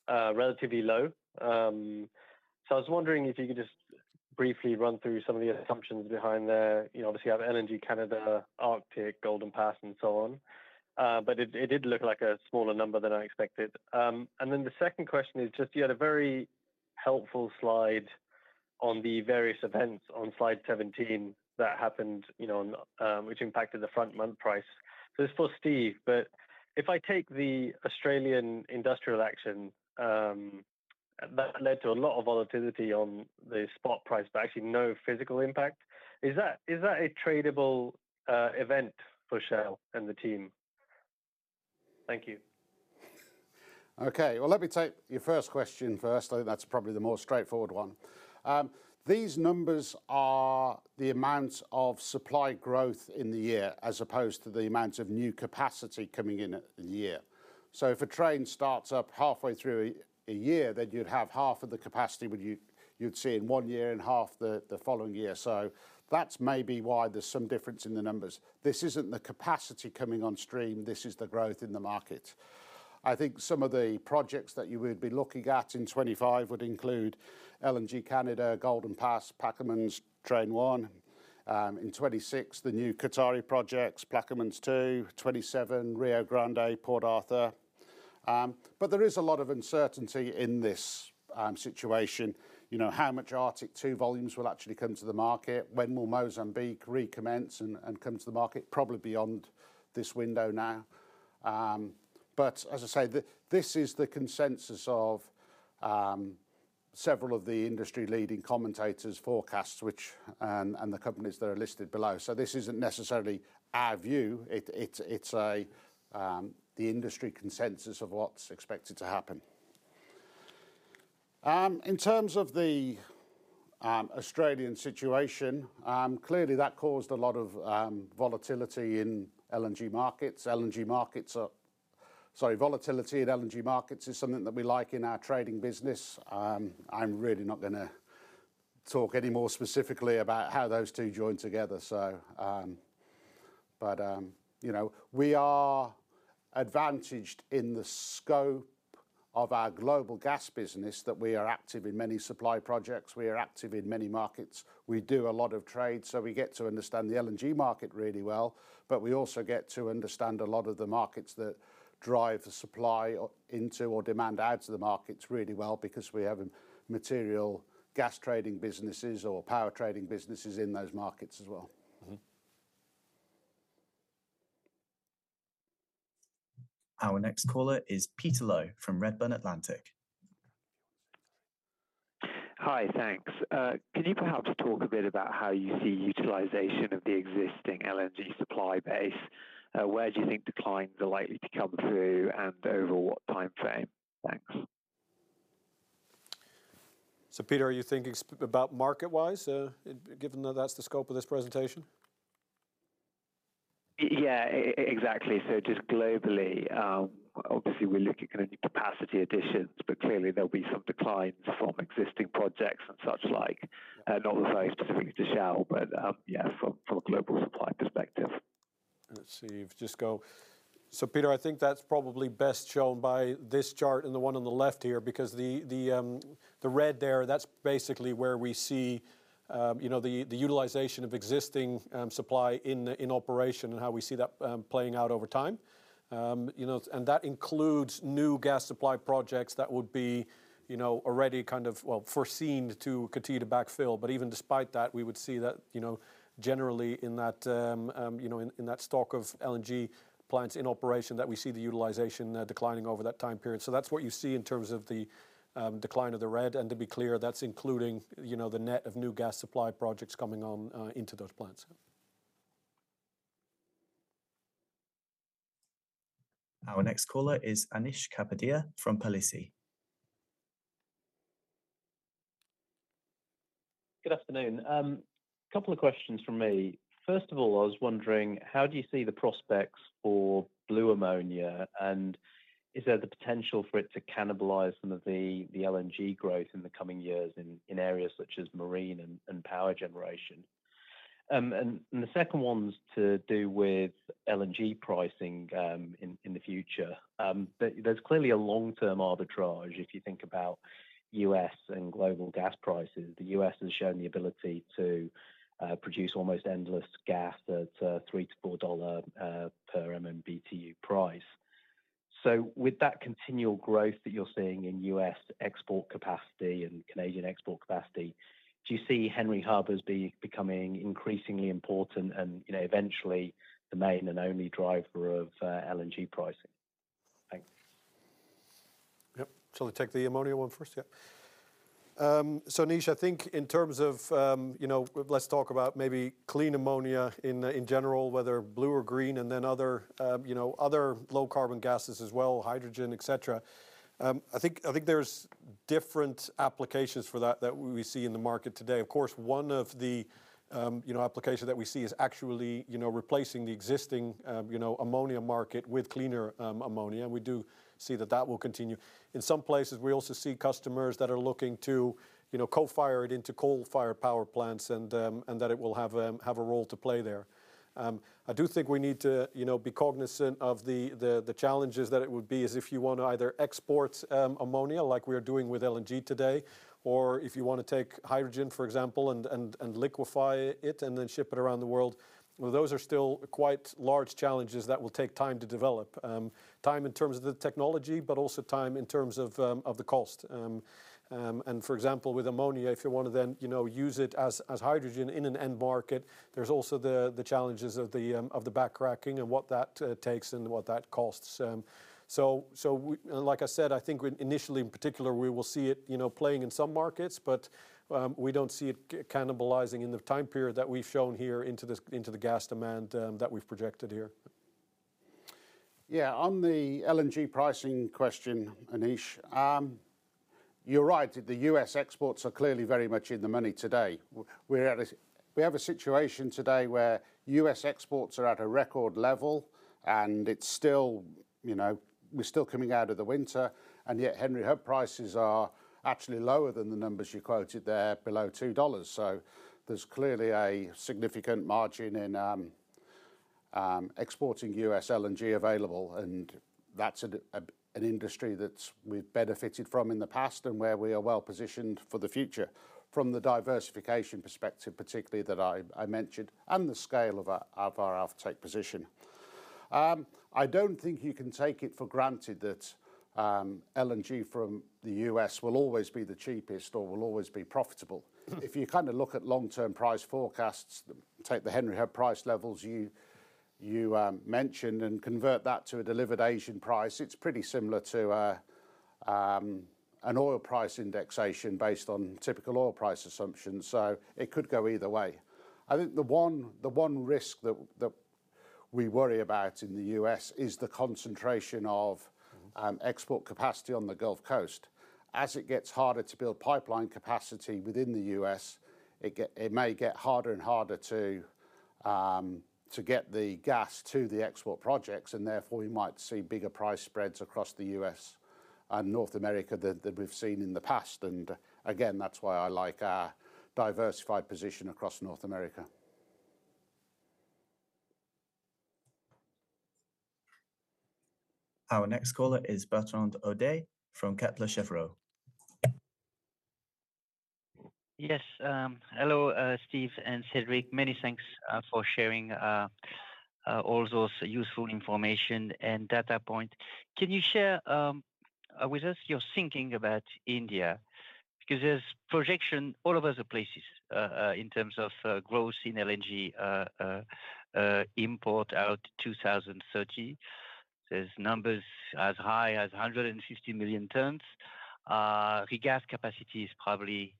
relatively low. So I was wondering if you could just briefly run through some of the assumptions behind there. Obviously, you have LNG Canada, Arctic, Golden Pass, and so on. But it did look like a smaller number than I expected. And then the second question is just you had a very helpful slide on the various events on slide 17 that happened, which impacted the front month price. So this is for Steve. But if I take the Australian industrial action that led to a lot of volatility on the spot price but actually no physical impact, is that a tradable event for Shell and the team? Thank you. Okay. Well, let me take your first question first. I think that's probably the more straightforward one. These numbers are the amount of supply growth in the year as opposed to the amount of new capacity coming in the year. So if a train starts up halfway through a year, then you'd have half of the capacity you'd see in one year and half the following year. So that's maybe why there's some difference in the numbers. This isn't the capacity coming on stream. This is the growth in the market. I think some of the projects that you would be looking at in 2025 would include LNG Canada, Golden Pass, Plaquemines, Train 1. In 2026, the new Qatari projects, Plaquemines 2, 2027, Rio Grande, Port Arthur. But there is a lot of uncertainty in this situation, how much Arctic LNG 2 volumes will actually come to the market, when will Mozambique recommence and come to the market, probably beyond this window now. But as I say, this is the consensus of several of the industry-leading commentators' forecasts and the companies that are listed below. So this isn't necessarily our view. It's the industry consensus of what's expected to happen. In terms of the Australian situation, clearly, that caused a lot of volatility in LNG markets. Sorry, volatility in LNG markets is something that we like in our trading business. I'm really not going to talk any more specifically about how those two join together, so. But we are advantaged in the scope of our global gas business that we are active in many supply projects. We are active in many markets. We do a lot of trade. So we get to understand the LNG market really well. But we also get to understand a lot of the markets that drive the supply into or demand adds to the markets really well because we have material gas trading businesses or power trading businesses in those markets as well. Our next caller is Peter Low from Redburn Atlantic. Hi. Thanks. Can you perhaps talk a bit about how you see utilization of the existing LNG supply base? Where do you think declines are likely to come through and over what time frame? Thanks. So Peter, are you thinking about market-wise given that that's the scope of this presentation? Yeah. Exactly. So just globally, obviously, we're looking at going to need capacity additions. But clearly, there'll be some declines from existing projects and such like, not very specifically to Shell, but yeah, from a global supply perspective. Let's see. Just go. So Peter, I think that's probably best shown by this chart and the one on the left here because the red there, that's basically where we see the utilization of existing supply in operation and how we see that playing out over time. And that includes new gas supply projects that would be already kind of, well, foreseen to continue to backfill. But even despite that, we would see that generally in that stock of LNG plants in operation that we see the utilization declining over that time period. So that's what you see in terms of the decline of the red. To be clear, that's including the net of new gas supply projects coming on into those plants. Our next caller is Anish Kapadia from Palissy. Good afternoon. Couple of questions from me. First of all, I was wondering, how do you see the prospects for blue ammonia? And is there the potential for it to cannibalize some of the LNG growth in the coming years in areas such as marine and power generation? And the second one's to do with LNG pricing in the future. There's clearly a long-term arbitrage if you think about U.S. and global gas prices. The U.S. has shown the ability to produce almost endless gas at a $3-$4 per MMBTU price. So with that continual growth that you're seeing in U.S. export capacity and Canadian export capacity, do you see Henry Hub becoming increasingly important and eventually the main and only driver of LNG pricing? Thanks. Yep. Shall we take the ammonia one first? Yeah. So Anish, I think in terms of let's talk about maybe clean ammonia in general, whether blue or green, and then other low-carbon gases as well, hydrogen, etc. I think there's different applications for that that we see in the market today. Of course, one of the applications that we see is actually replacing the existing ammonia market with cleaner ammonia. And we do see that that will continue. In some places, we also see customers that are looking to co-fire it into coal-fired power plants and that it will have a role to play there. I do think we need to be cognizant of the challenges that it would be is if you want to either export ammonia like we are doing with LNG today or if you want to take hydrogen, for example, and liquefy it and then ship it around the world. Well, those are still quite large challenges that will take time to develop, time in terms of the technology but also time in terms of the cost. And for example, with ammonia, if you want to then use it as hydrogen in an end market, there's also the challenges of the back-cracking and what that takes and what that costs. So like I said, I think initially, in particular, we will see it playing in some markets. But we don't see it cannibalizing in the time period that we've shown here into the gas demand that we've projected here. Yeah. On the LNG pricing question, Anish, you're right. The U.S. exports are clearly very much in the money today. We have a situation today where U.S. exports are at a record level. We're still coming out of the winter. Yet, Henry Hub prices are actually lower than the numbers you quoted there, below $2. There's clearly a significant margin in exporting U.S. LNG available. That's an industry that we've benefited from in the past and where we are well positioned for the future from the diversification perspective, particularly that I mentioned and the scale of our offtake position. I don't think you can take it for granted that LNG from the U.S. will always be the cheapest or will always be profitable. If you kind of look at long-term price forecasts, take the Henry Hub price levels you mentioned, and convert that to a delivered Asian price, it's pretty similar to an oil price indexation based on typical oil price assumptions. So it could go either way. I think the one risk that we worry about in the U.S. is the concentration of export capacity on the Gulf Coast. As it gets harder to build pipeline capacity within the U.S., it may get harder and harder to get the gas to the export projects. And therefore, we might see bigger price spreads across the U.S. and North America than we've seen in the past. And again, that's why I like our diversified position across North America. Our next caller is Bertrand Hodee from Kepler Cheuvreux. Yes. Hello, Steve and Cederic. Many thanks for sharing all those useful information and data points. Can you share with us your thinking about India? Because there are projections all over the place in terms of growth in LNG imports up to 2030. There are numbers as high as 150 million tons. Regas capacity is probably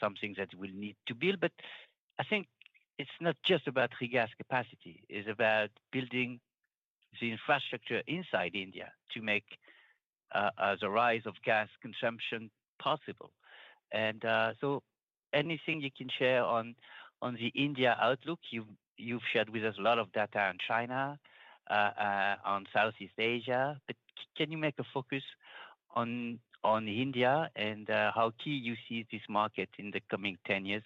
something that we'll need to build. But I think it's not just about regas capacity. It's about building the infrastructure inside India to make the rise of gas consumption possible. And so anything you can share on the India outlook, you've shared with us a lot of data on China, on Southeast Asia. But can you make a focus on India and how key you see this market in the coming 10 years?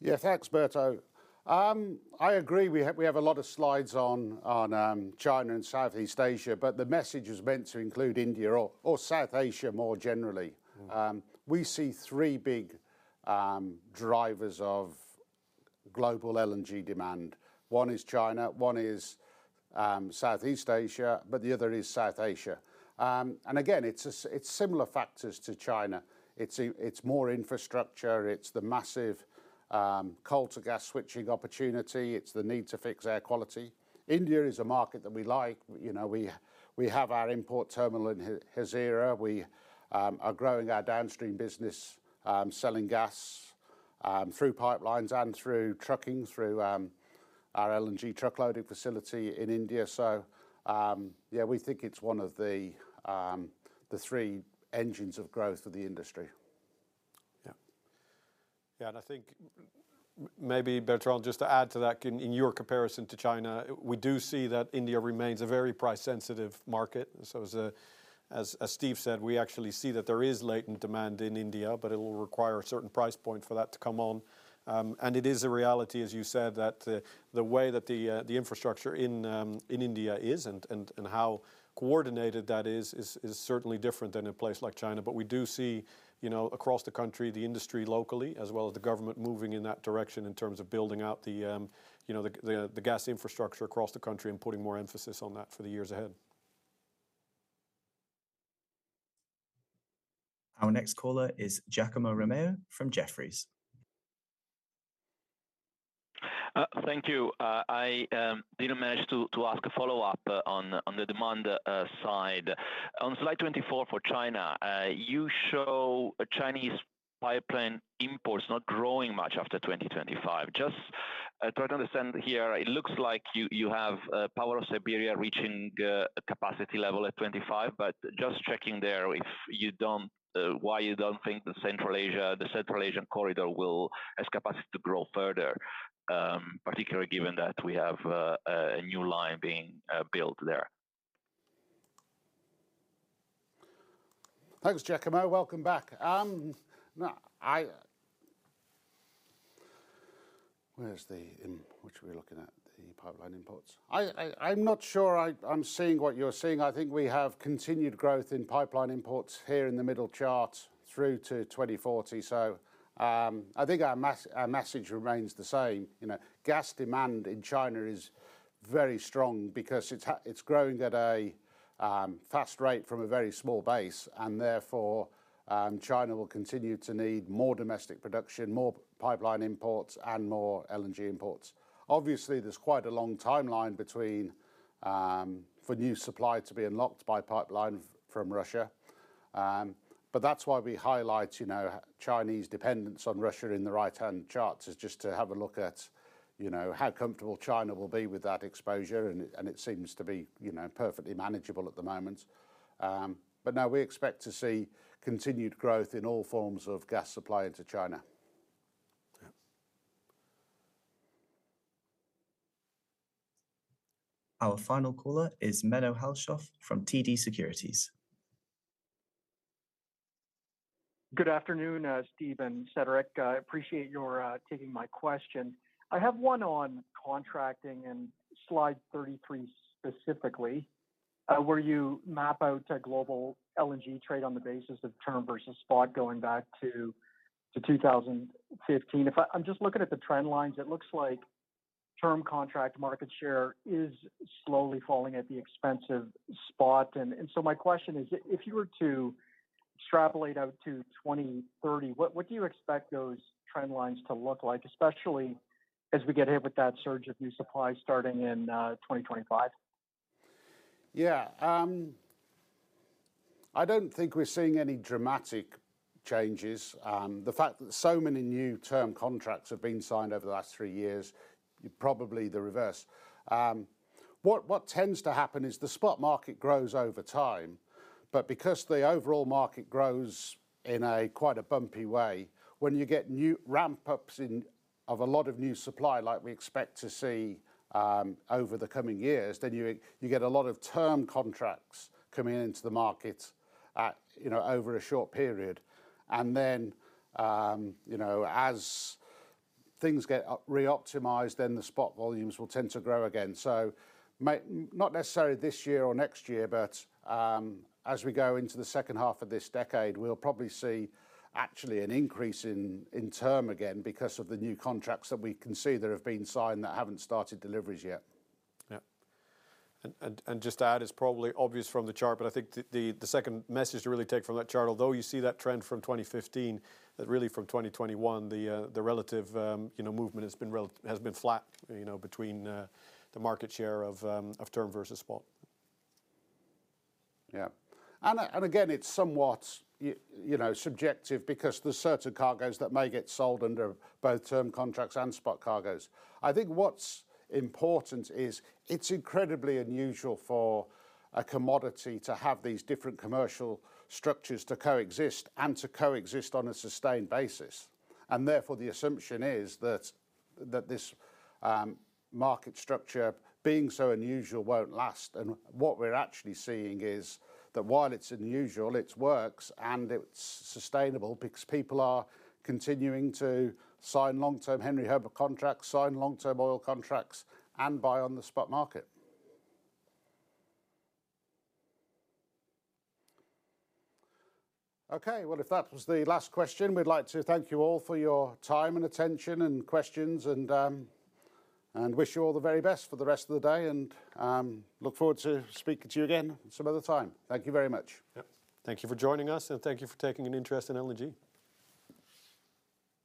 Yeah. Thanks, Berto. I agree. We have a lot of slides on China and Southeast Asia. But the message is meant to include India or South Asia more generally. We see three big drivers of global LNG demand. One is China. One is Southeast Asia. But the other is South Asia. And again, it's similar factors to China. It's more infrastructure. It's the massive coal-to-gas switching opportunity. It's the need to fix air quality. India is a market that we like. We have our import terminal in Hazira. We are growing our downstream business selling gas through pipelines and through trucking, through our LNG truck loading facility in India. So yeah, we think it's one of the three engines of growth of the industry. Yeah. Yeah. And I think maybe, Bertrand, just to add to that, in your comparison to China, we do see that India remains a very price-sensitive market. So as Steve said, we actually see that there is latent demand in India. But it'll require a certain price point for that to come on. And it is a reality, as you said, that the way that the infrastructure in India is and how coordinated that is is certainly different than in a place like China. But we do see across the country, the industry locally as well as the government moving in that direction in terms of building out the gas infrastructure across the country and putting more emphasis on that for the years ahead. Our next caller is Giacomo Romeo from Jefferies. Thank you. I didn't manage to ask a follow-up on the demand side. On slide 24 for China, you show Chinese pipeline imports not growing much after 2025. Just trying to understand here, it looks like you have Power of Siberia reaching a capacity level at 25. But just checking there if you don't why you don't think the Central Asian Corridor will have capacity to grow further, particularly given that we have a new line being built there. Thanks, Giacomo. Welcome back. Where's the which are we looking at? The pipeline imports? I'm not sure I'm seeing what you're seeing. I think we have continued growth in pipeline imports here in the middle chart through to 2040. So I think our message remains the same. Gas demand in China is very strong because it's growing at a fast rate from a very small base. And therefore, China will continue to need more domestic production, more pipeline imports, and more LNG imports. Obviously, there's quite a long timeline for new supply to be unlocked by pipeline from Russia. But that's why we highlight Chinese dependence on Russia in the right-hand charts. It is just to have a look at how comfortable China will be with that exposure. And it seems to be perfectly manageable at the moment. But no, we expect to see continued growth in all forms of gas supply into China. Our final caller is Menno Hulshof from TD Securities. Good afternoon, Steve and Cederic. I appreciate your taking my question. I have one on contracting and slide 33 specifically where you map out global LNG trade on the basis of term versus spot going back to 2015. If I'm just looking at the trend lines, it looks like term contract market share is slowly falling at the expense of spot. And so my question is, if you were to extrapolate out to 2030, what do you expect those trend lines to look like, especially as we get hit with that surge of new supply starting in 2025? Yeah. I don't think we're seeing any dramatic changes. The fact that so many new term contracts have been signed over the last three years, probably the reverse. What tends to happen is the spot market grows over time. But because the overall market grows in quite a bumpy way, when you get new ramp-ups of a lot of new supply like we expect to see over the coming years, then you get a lot of term contracts coming into the market over a short period. And then as things get reoptimized, then the spot volumes will tend to grow again. So not necessarily this year or next year. But as we go into the second half of this decade, we'll probably see actually an increase in term again because of the new contracts that we can see that have been signed that haven't started deliveries yet. Yeah. And just to add, it's probably obvious from the chart. But I think the second message to really take from that chart, although you see that trend from 2015, that really from 2021, the relative movement has been flat between the market share of term versus spot. Yeah. And again, it's somewhat subjective because there's certain cargoes that may get sold under both term contracts and spot cargoes. I think what's important is it's incredibly unusual for a commodity to have these different commercial structures to coexist and to coexist on a sustained basis. And therefore, the assumption is that this market structure being so unusual won't last. What we're actually seeing is that while it's unusual, it works. It's sustainable because people are continuing to sign long-term Henry Hub contracts, sign long-term oil contracts, and buy on the spot market. Okay. Well, if that was the last question, we'd like to thank you all for your time and attention and questions. We wish you all the very best for the rest of the day. We look forward to speaking to you again some other time. Thank you very much. Yep. Thank you for joining us. Thank you for taking an interest in LNG.